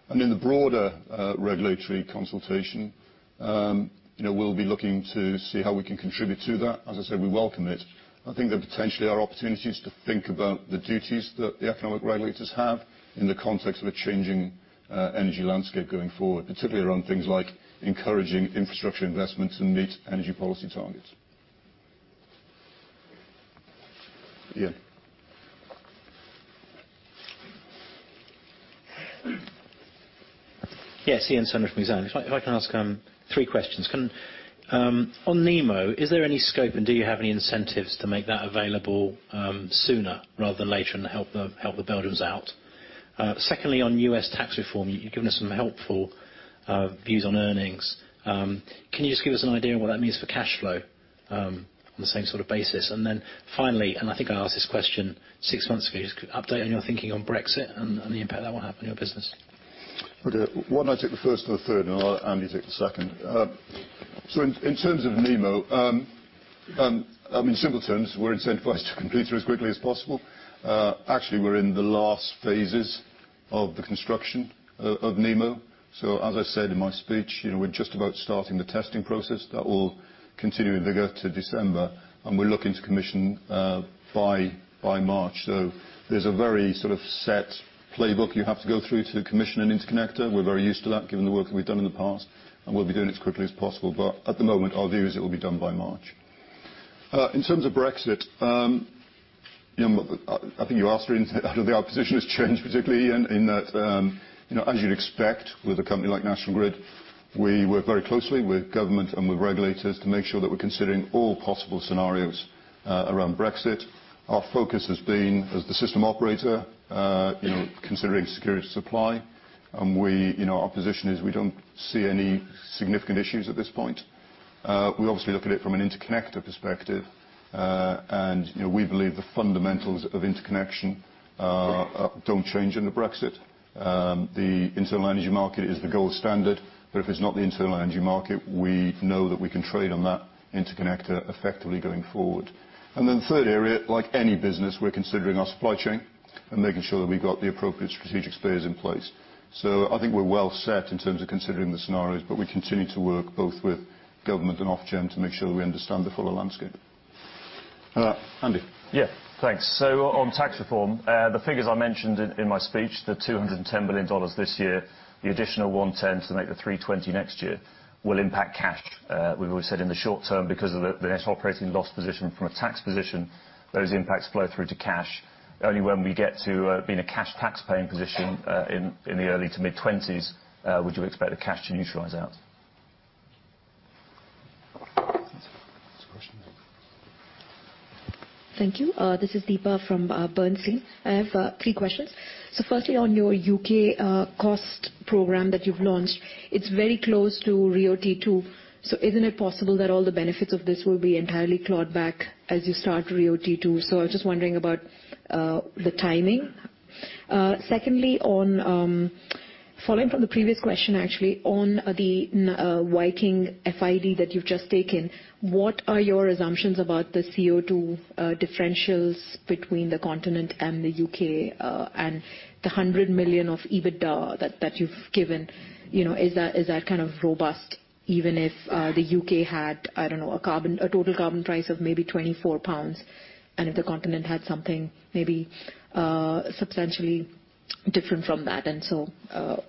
And in the broader regulatory consultation, we'll be looking to see how we can contribute to that. As I said, we welcome it. I think there potentially are opportunities to think about the duties that the economic regulators have in the context of a changing energy landscape going forward, particularly around things like encouraging infrastructure investment to meet energy policy targets. Yeah. Yes, Iain Turner from Exane. If I can ask three questions. On Nemo, is there any scope, and do you have any incentives to make that available sooner rather than later and help the Belgians out? Secondly, on U.S. tax reform, you've given us some helpful views on earnings. Can you just give us an idea of what that means for cash flow on the same sort of basis? Then finally, and I think I asked this question six months ago, just update on your thinking on Brexit and the impact that will have on your business. Okay. Why don't I take the first and the third, and I'll let Andy take the second. In terms of Nemo, I mean, simple terms, we're incentivized to complete it as quickly as possible. Actually, we're in the last phases of the construction of Nemo. So as I said in my speech, we're just about starting the testing process. That will continue in vigor to December, and we're looking to commission by March. There's a very sort of set playbook you have to go through to commission an interconnector. We're very used to that, given the work that we've done in the past, and we'll be doing it as quickly as possible. But at the moment, our view is it will be done by March. In terms of Brexit, I think you asked for the position has changed, particularly in that, as you'd expect with a company like National Grid, we work very closely with government and with regulators to make sure that we're considering all possible scenarios around Brexit. Our focus has been, as the system operator, considering security of supply, and our position is we don't see any significant issues at this point. We obviously look at it from an interconnector perspective, and we believe the fundamentals of interconnection don't change under Brexit. The internal energy market is the gold standard, but if it's not the internal energy market, we know that we can trade on that interconnector effectively going forward. And then the third area, like any business, we're considering our supply chain and making sure that we've got the appropriate strategic spares in place. So I think we're well set in terms of considering the scenarios, but we continue to work both with government and Ofgem to make sure that we understand the full landscape. Andy. Yeah. Thanks. So on tax reform, the figures I mentioned in my speech, the $210 million this year, the additional $110 to make the $320 next year will impact cash. We've always said in the short term, because of the net operating loss position from a tax position, those impacts flow through to cash. Only when we get to being a cash taxpaying position in the early to mid-2020s would you expect the cash to neutralize out. Thank you. This is Deepa from Bernstein. I have three questions. So firstly, on your U.K. cost program that you've launched, it's very close to RIIO-T2. So isn't it possible that all the benefits of this will be entirely clawed back as you start RIIO-T2? So I was just wondering about the timing. Secondly, following from the previous question, actually, on the Viking FID that you've just taken, what are your assumptions about the CO2 differentials between the continent and the U.K. and the 100 million of EBITDA that you've given? Is that kind of robust even if the U.K. had, I don't know, a total carbon price of maybe 24 pounds, and if the continent had something maybe substantially different from that? And so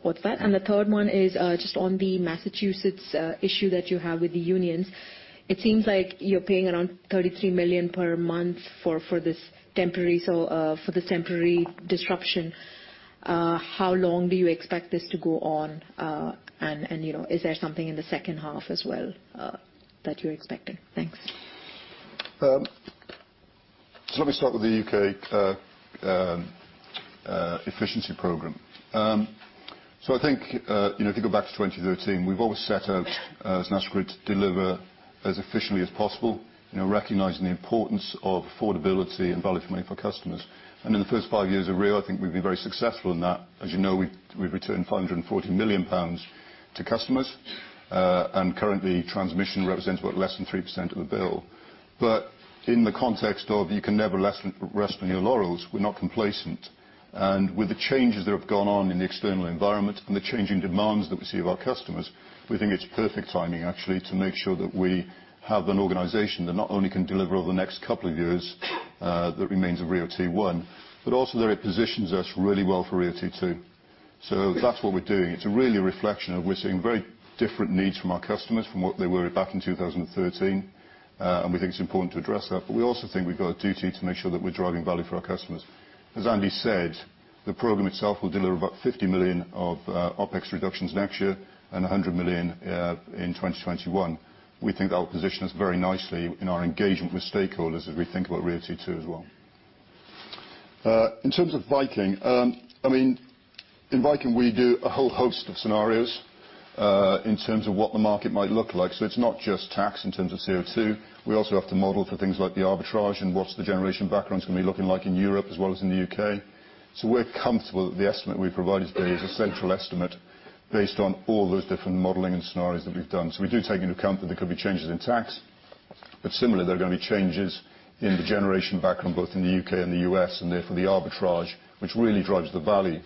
with that. And the third one is just on the Massachusetts issue that you have with the unions. It seems like you're paying around 33 million per month for this temporary disruption. How long do you expect this to go on, and is there something in the second half as well that you're expecting? Thanks. So let me start with the U.K. efficiency program. So I think if you go back to 2013, we've always set out as National Grid to deliver as efficiently as possible, recognizing the importance of affordability and value for money for customers. And in the first five years of RIIO, I think we've been very successful in that. As you know, we've returned 540 million pounds to customers, and currently, transmission represents about less than 3% of the bill. But in the context of you can never rest on your laurels, we're not complacent. With the changes that have gone on in the external environment and the changing demands that we see of our customers, we think it's perfect timing, actually, to make sure that we have an organization that not only can deliver over the next couple of years that remains of RIIO-T1, but also that it positions us really well for RIIO-T2. So that's what we're doing. It's really a reflection of we're seeing very different needs from our customers from what they were back in 2013, and we think it's important to address that. But we also think we've got a duty to make sure that we're driving value for our customers. As Andy said, the program itself will deliver about 50 million of OpEx reductions next year and 100 million in 2021. We think that will position us very nicely in our engagement with stakeholders as we think about RIIO-T2 as well. In terms of Viking, I mean, in Viking, we do a whole host of scenarios in terms of what the market might look like. So it's not just tax in terms of CO2. We also have to model for things like the arbitrage and what's the generation backgrounds going to be looking like in Europe as well as in the U.K. So we're comfortable that the estimate we provide is a central estimate based on all those different modeling and scenarios that we've done. We do take into account that there could be changes in tax, but similarly, there are going to be changes in the generation background both in the U.K. and the U.S., and therefore the arbitrage, which really drives the value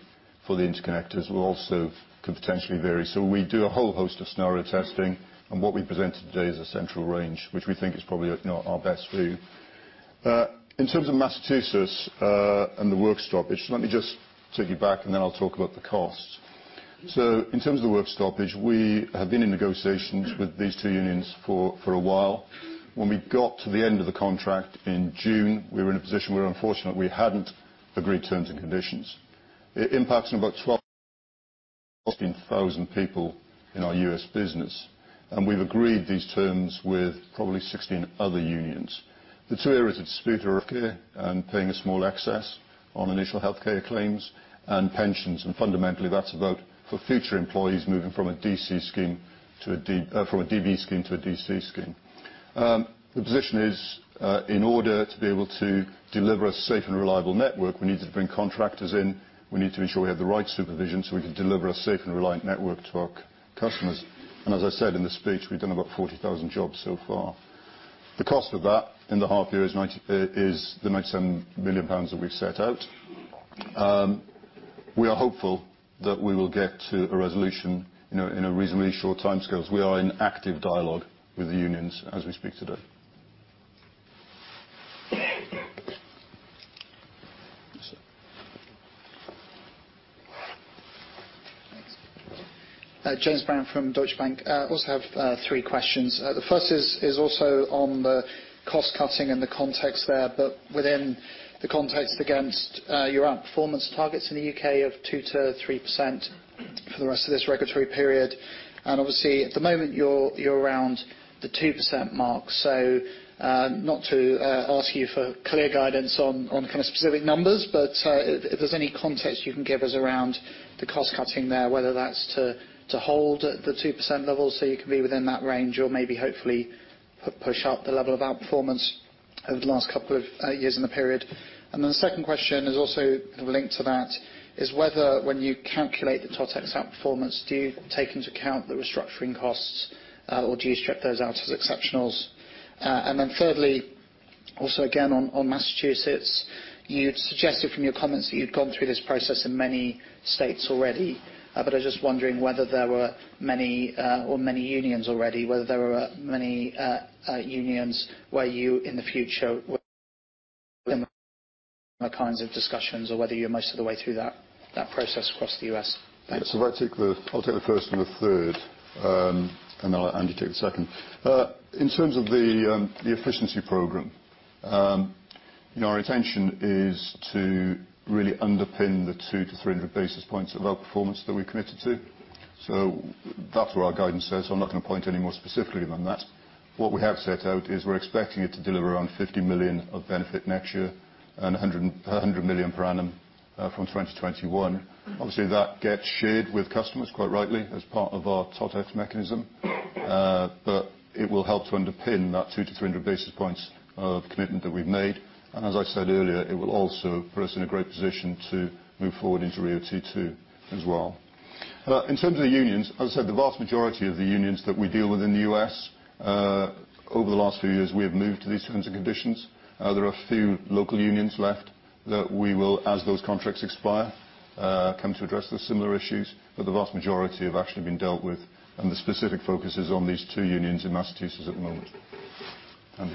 for the interconnectors, will also could potentially vary. We do a whole host of scenario testing, and what we presented today is a central range, which we think is probably our best view. In terms of Massachusetts and the work stoppage, let me just take you back, and then I'll talk about the cost. In terms of the work stoppage, we have been in negotiations with these two unions for a while. When we got to the end of the contract in June, we were in a position where, unfortunately, we hadn't agreed terms and conditions. It impacts about 12,000 people in our U.S. business, and we've agreed these terms with probably 16 other unions. The two areas of dispute are healthcare and paying a small excess on initial healthcare claims and pensions, and fundamentally, that's about for future employees moving from a DB scheme to a DC scheme. The position is, in order to be able to deliver a safe and reliable network, we needed to bring contractors in. We need to ensure we have the right supervision so we can deliver a safe and reliable network to our customers, and as I said in the speech, we've done about 40,000 jobs so far. The cost of that in the half year is the 97 million pounds that we've set out. We are hopeful that we will get to a resolution in a reasonably short timescale. We are in active dialogue with the unions as we speak today. James Brand from Deutsche Bank. I also have three questions. The first is also on the cost cutting and the context there, but within the context against your outperformance targets in the U.K. of 2%-3% for the rest of this regulatory period. And obviously, at the moment, you're around the 2% mark. So not to ask you for clear guidance on kind of specific numbers, but if there's any context you can give us around the cost cutting there, whether that's to hold the 2% level so you can be within that range or maybe hopefully push up the level of outperformance over the last couple of years in the period. Then the second question is also linked to that is whether, when you calculate the TotEx outperformance, do you take into account the restructuring costs, or do you strip those out as exceptionals? And then thirdly, also again on Massachusetts, you'd suggested from your comments that you'd gone through this process in many states already, but I was just wondering whether there were many unions already, whether there were many unions where you in the future will have similar kinds of discussions or whether you're most of the way through that process across the U.S. Thanks. So I'll take the first and the third, and then I'll let Andy take the second. In terms of the efficiency program, our intention is to really underpin the 200-300 basis points of outperformance that we've committed to. So that's what our guidance says. I'm not going to point any more specifically than that. What we have set out is we're expecting it to deliver around 50 million of benefit next year and 100 million per annum from 2021. Obviously, that gets shared with customers quite rightly as part of our TotEx mechanism, but it will help to underpin that 200-300 basis points of commitment that we've made. And as I said earlier, it will also put us in a great position to move forward into RIIO-T2 as well. In terms of the unions, as I said, the vast majority of the unions that we deal with in the U.S., over the last few years, we have moved to these terms and conditions. There are a few local unions left that we will, as those contracts expire, come to address with similar issues, but the vast majority have actually been dealt with, and the specific focus is on these two unions in Massachusetts at the moment. Andy.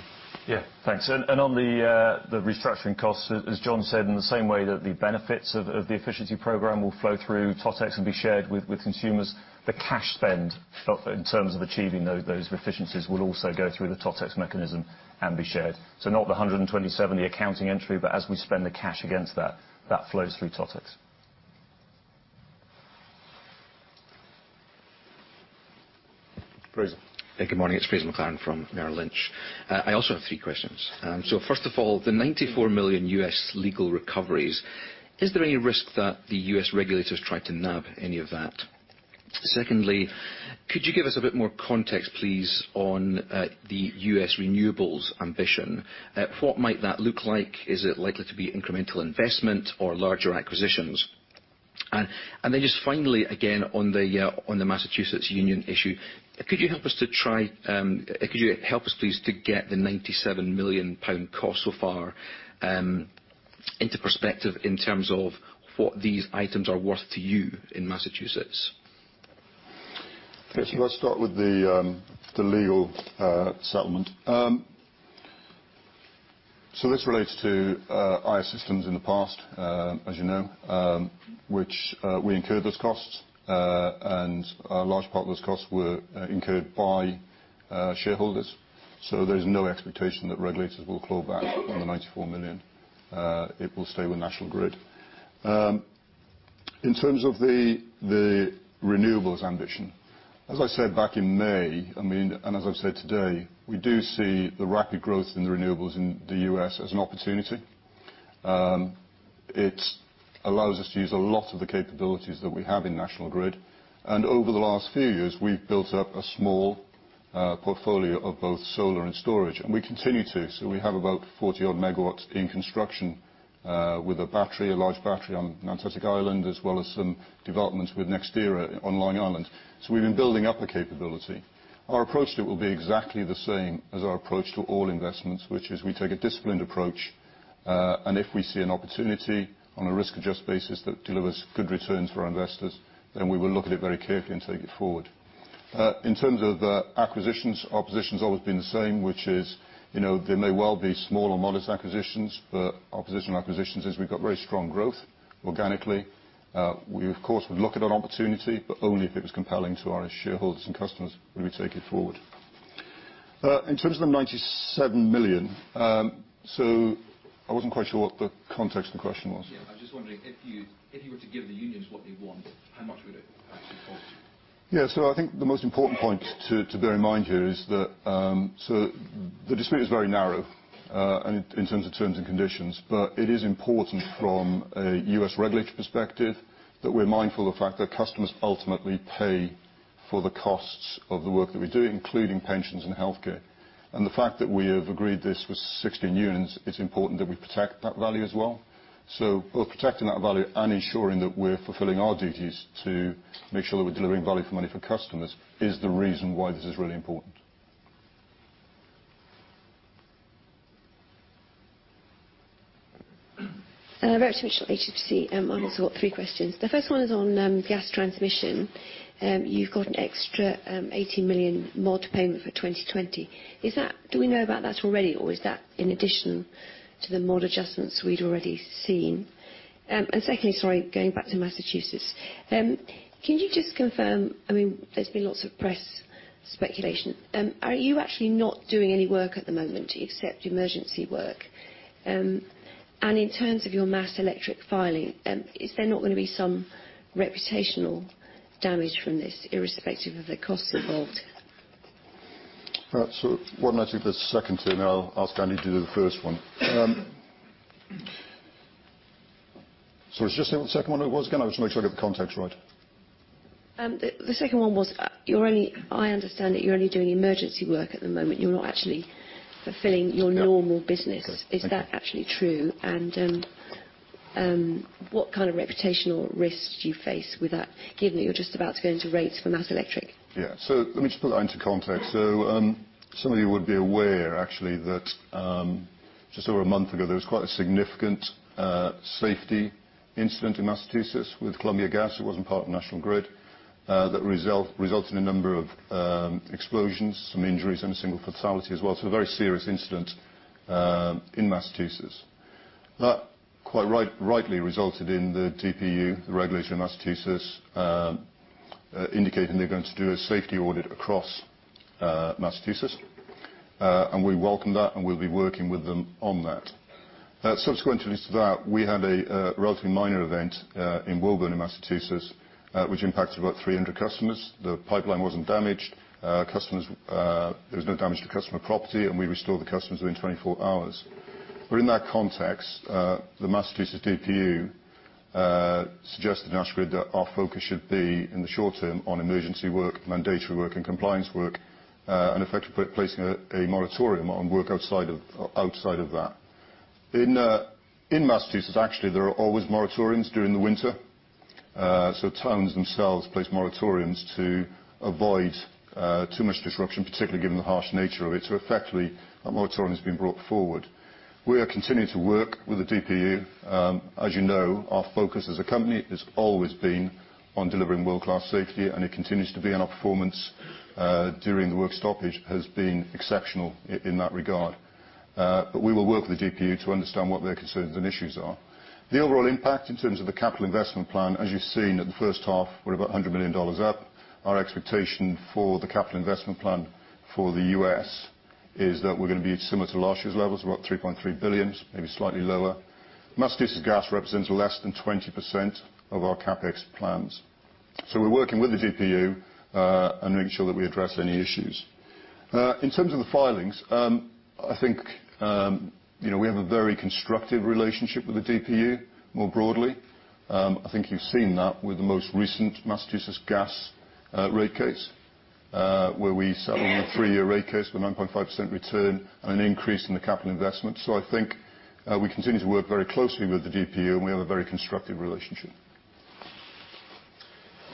Yeah. Thanks. And on the restructuring costs, as John said, in the same way that the benefits of the efficiency program will flow through TotEx and be shared with consumers, the cash spend in terms of achieving those efficiencies will also go through the TotEx mechanism and be shared. So not the 127, the accounting entry, but as we spend the cash against that, that flows through TotEx. Fraser. Hey, good morning. It's Fraser McLaren from Merrill Lynch. I also have three questions. So first of all, the 94 million U.S. legal recoveries, is there any risk that the U.S. regulators try to nab any of that? Secondly, could you give us a bit more context, please, on the U.S. renewables ambition? What might that look like? Is it likely to be incremental investment or larger acquisitions? And then just finally, again, on the Massachusetts union issue, could you help us, please, to get the 97 million pound cost so far into perspective in terms of what these items are worth to you in Massachusetts? Okay. So let's start with the legal settlement. So this relates to IS systems in the past, as you know, which we incurred those costs, and a large part of those costs were incurred by shareholders. So there's no expectation that regulators will claw back on the 94 million. It will stay with National Grid. In terms of the renewables ambition, as I said back in May, I mean, and as I've said today, we do see the rapid growth in the renewables in the U.S. as an opportunity. It allows us to use a lot of the capabilities that we have in National Grid, and over the last few years, we've built up a small portfolio of both solar and storage, and we continue to, so we have about 40-odd MW in construction with a battery, a large battery on Nantucket Island, as well as some developments with NextEra on Long Island, so we've been building up a capability. Our approach to it will be exactly the same as our approach to all investments, which is we take a disciplined approach, and if we see an opportunity on a risk-adjusted basis that delivers good returns for our investors, then we will look at it very carefully and take it forward. In terms of acquisitions, our position's always been the same, which is there may well be small or modest acquisitions, but our position on acquisitions is we've got very strong growth organically. We, of course, would look at an opportunity, but only if it was compelling to our shareholders and customers would we take it forward. In terms of the 97 million, so I wasn't quite sure what the context of the question was. Yeah. I was just wondering, if you were to give the unions what they want, how much would it actually cost? Yeah. So I think the most important point to bear in mind here is that so the dispute is very narrow in terms of terms and conditions, but it is important from a U.S. regulatory perspective that we're mindful of the fact that customers ultimately pay for the costs of the work that we do, including pensions and healthcare. The fact that we have agreed this with 16 unions, it's important that we protect that value as well. Both protecting that value and ensuring that we're fulfilling our duties to make sure that we're delivering value for money for customers is the reason why this is really important. Very shortly to see on the sort of three questions. The first one is on Gas Transmission. You've got an extra 18 million MOD payment for 2020. Do we know about that already, or is that in addition to the MOD adjustments we'd already seen? And secondly, sorry, going back to Massachusetts, can you just confirm? I mean, there's been lots of press speculation. Are you actually not doing any work at the moment except emergency work? And in terms of your Massachusetts Electric filing, is there not going to be some reputational damage from this irrespective of the costs involved? So why don't I take the second two, and then I'll ask Andy to do the first one. So was it just the second one it was again? I just want to make sure I get the context right. The second one was, I understand that you're only doing emergency work at the moment. You're not actually fulfilling your normal business. Is that actually true? What kind of reputational risk do you face with that, given that you're just about to go into rates for Massachusetts Electric? Yeah. So let me just put that into context. Some of you would be aware, actually, that just over a month ago, there was quite a significant safety incident in Massachusetts with Columbia Gas. It wasn't part of National Grid that resulted in a number of explosions, some injuries, and a single fatality as well. So a very serious incident in Massachusetts. That quite rightly resulted in the DPU, the regulator in Massachusetts, indicating they're going to do a safety audit across Massachusetts. We welcome that, and we'll be working with them on that. Subsequently to that, we had a relatively minor event in Woburn, in Massachusetts, which impacted about 300 customers. The pipeline wasn't damaged. There was no damage to customer property, and we restored the customers within 24 hours. But in that context, the Massachusetts DPU suggested to National Grid that our focus should be in the short term on emergency work, mandatory work, and compliance work, and effectively placing a moratorium on work outside of that. In Massachusetts, actually, there are always moratoriums during the winter. So towns themselves place moratoriums to avoid too much disruption, particularly given the harsh nature of it. So effectively, that moratorium has been brought forward. We are continuing to work with the DPU. As you know, our focus as a company has always been on delivering world-class safety, and it continues to be, and our performance during the work stoppage has been exceptional in that regard. But we will work with the DPU to understand what their concerns and issues are. The overall impact in terms of the capital investment plan, as you've seen in the first half, we're about $100 million up. Our expectation for the capital investment plan for the U.S. is that we're going to be similar to last year's levels, about $3.3 billion, maybe slightly lower. Massachusetts Gas represents less than 20% of our CapEx plans, so we're working with the DPU and making sure that we address any issues. In terms of the filings, I think we have a very constructive relationship with the DPU more broadly. I think you've seen that with the most recent Massachusetts Gas rate case, where we settled a three-year rate case with a 9.5% return and an increase in the capital investment, so I think we continue to work very closely with the DPU, and we have a very constructive relationship.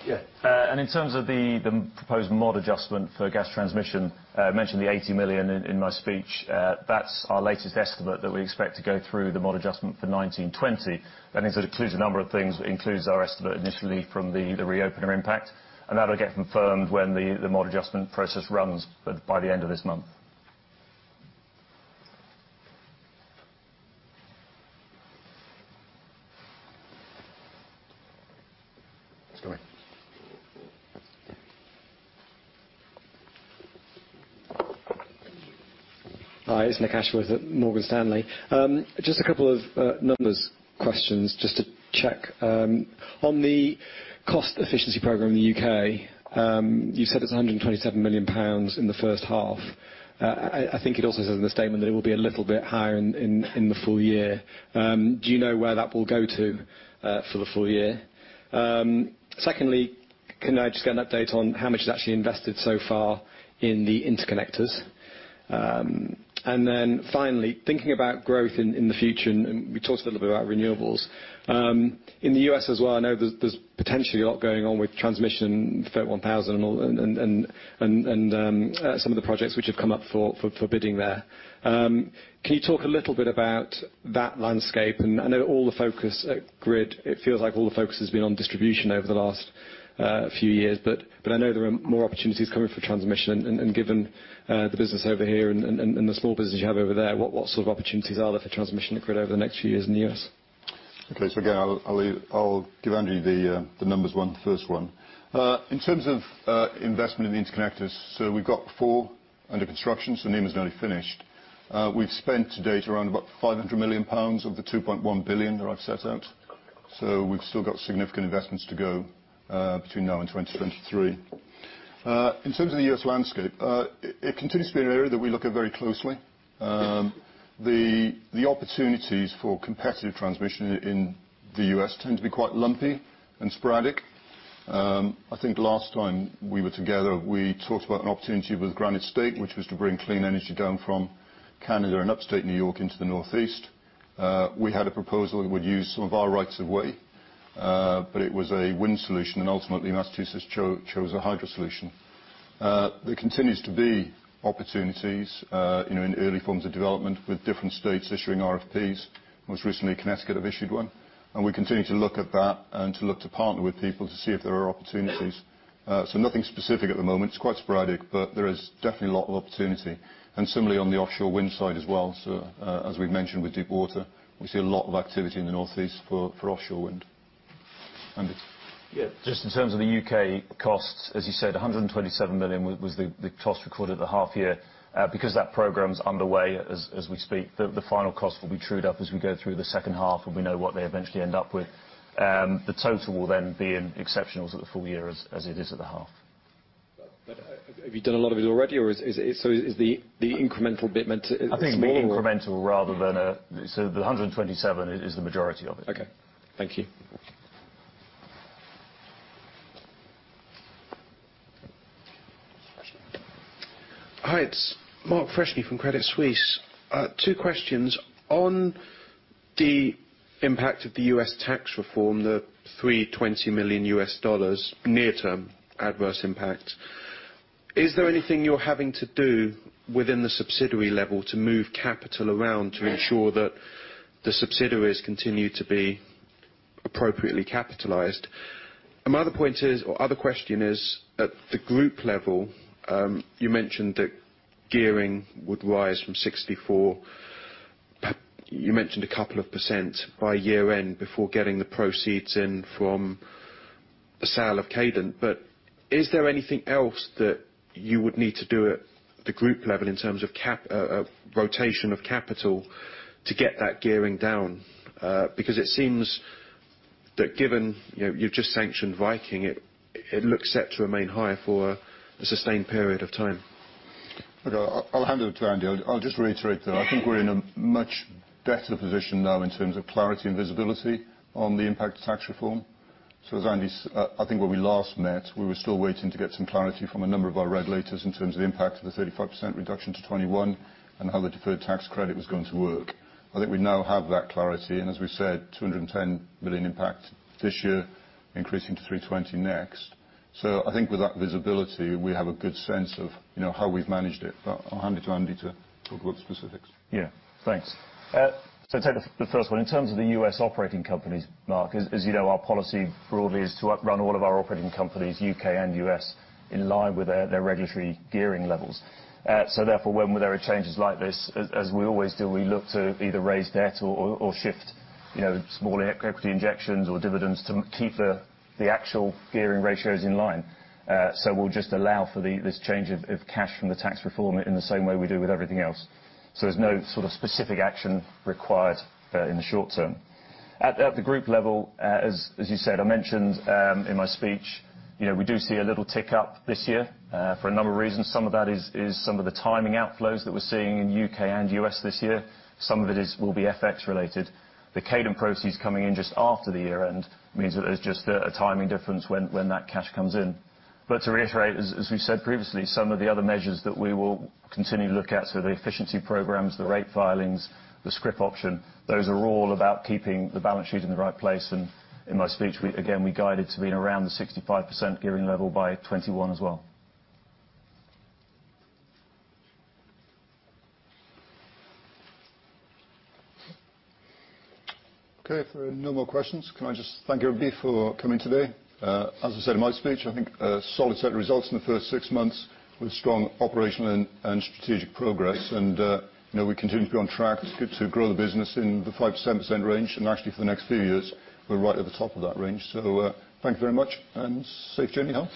Yeah. And in terms of the proposed MOD adjustment for Gas Transmission, I mentioned the 80 million in my speech. That's our latest estimate that we expect to go through the MOD adjustment for 2019/2020. That includes a number of things. It includes our estimate initially from the reopener impact, and that'll get confirmed when the MOD adjustment process runs by the end of this month. It's coming. Hi. It's Nick Ashworth with Morgan Stanley. Just a couple of numbers questions just to check. On the cost efficiency programme in the U.K., you've said it's 127 million pounds in the first half. I think it also says in the statement that it will be a little bit higher in the full year. Do you know where that will go to for the full year? Secondly, can I just get an update on how much is actually invested so far in the interconnectors? Then finally, thinking about growth in the future, and we talked a little bit about renewables. In the U.S. as well, I know there's potentially a lot going on with transmission, FERC Order 1000, and some of the projects which have come up for bidding there. Can you talk a little bit about that landscape? And I know all the focus at Grid, it feels like all the focus has been on distribution over the last few years, but I know there are more opportunities coming for transmission. And given the business over here and the small business you have over there, what sort of opportunities are there for transmission at Grid over the next few years in the U.S.? Okay. So again, I'll give Andy the number one, the first one. In terms of investment in the interconnectors, so we've got four under construction. So Nemo's nearly finished. We've spent to date around about 500 million pounds of the 2.1 billion that I've set out. So we've still got significant investments to go between now and 2023. In terms of the U.S. landscape, it continues to be an area that we look at very closely. The opportunities for competitive transmission in the U.S. tend to be quite lumpy and sporadic. I think last time we were together, we talked about an opportunity with Granite State, which was to bring clean energy down from Canada and upstate New York into the northeast. We had a proposal that would use some of our rights of way, but it was a wind solution, and ultimately, Massachusetts chose a hydro solution. There continues to be opportunities in early forms of development with different states issuing RFPs. Most recently, Connecticut have issued one. And we continue to look at that and to look to partner with people to see if there are opportunities. So nothing specific at the moment. It's quite sporadic, but there is definitely a lot of opportunity. And similarly, on the offshore wind side as well. So as we've mentioned with Deepwater, we see a lot of activity in the northeast for offshore wind. Andy. Yeah. Just in terms of the U.K. costs, as you said, 127 million was the cost recorded at the half year. Because that programme's underway as we speak, the final cost will be trued up as we go through the second half, and we know what they eventually end up with. The total will then be in exceptionals at the full year as it is at the half. But have you done a lot of it already, or is the incremental bit meant to be smaller? I think incremental rather than a so the 127 million is the majority of it. Okay. Thank you. Hi. It's Mark Freshney from Credit Suisse. Two questions. On the impact of the U.S. tax reform, the GBP 320 million near-term adverse impact, is there anything you're having to do within the subsidiary level to move capital around to ensure that the subsidiaries continue to be appropriately capitalized? And my other point is, or other question is, at the group level, you mentioned that gearing would rise from 64%. You mentioned a couple of percent by year-end before getting the proceeds in from the sale of Cadent. But is there anything else that you would need to do at the group level in terms of rotation of capital to get that gearing down? Because it seems that given you've just sanctioned Viking, it looks set to remain higher for a sustained period of time. I'll hand it over to Andy. I'll just reiterate that I think we're in a much better position now in terms of clarity and visibility on the impact tax reform. So as Andy said, I think when we last met, we were still waiting to get some clarity from a number of our regulators in terms of the impact of the 35% reduction to 21% and how the deferred tax credit was going to work. I think we now have that clarity. And as we said, 210 million impact this year, increasing to 320 million next. So I think with that visibility, we have a good sense of how we've managed it. But I'll hand it to Andy to talk about the specifics. Yeah. Thanks. So take the first one. In terms of the U.S. operating companies, Mark, as you know, our policy broadly is to run all of our operating companies, U.K. and U.S., in line with their regulatory gearing levels. So therefore, when there are changes like this, as we always do, we look to either raise debt or shift small equity injections or dividends to keep the actual gearing ratios in line. So we'll just allow for this change of cash from the tax reform in the same way we do with everything else. So there's no sort of specific action required in the short term. At the group level, as you said, I mentioned in my speech, we do see a little tick up this year for a number of reasons. Some of that is some of the timing outflows that we're seeing in U.K. and U.S. this year. Some of it will be FX-related. The Cadent proceeds coming in just after the year-end means that there's just a timing difference when that cash comes in. But to reiterate, as we said previously, some of the other measures that we will continue to look at, so the efficiency programs, the rate filings, the scrip option, those are all about keeping the balance sheet in the right place, and in my speech, again, we guided to being around the 65% gearing level by 2021 as well. Okay. If there are no more questions, can I just thank everybody for coming today? As I said in my speech, I think solid set of results in the first six months with strong operational and strategic progress, and we continue to be on track to grow the business in the 5%-7% range, and actually, for the next few years, we're right at the top of that range. Thank you very much, and safe journey home.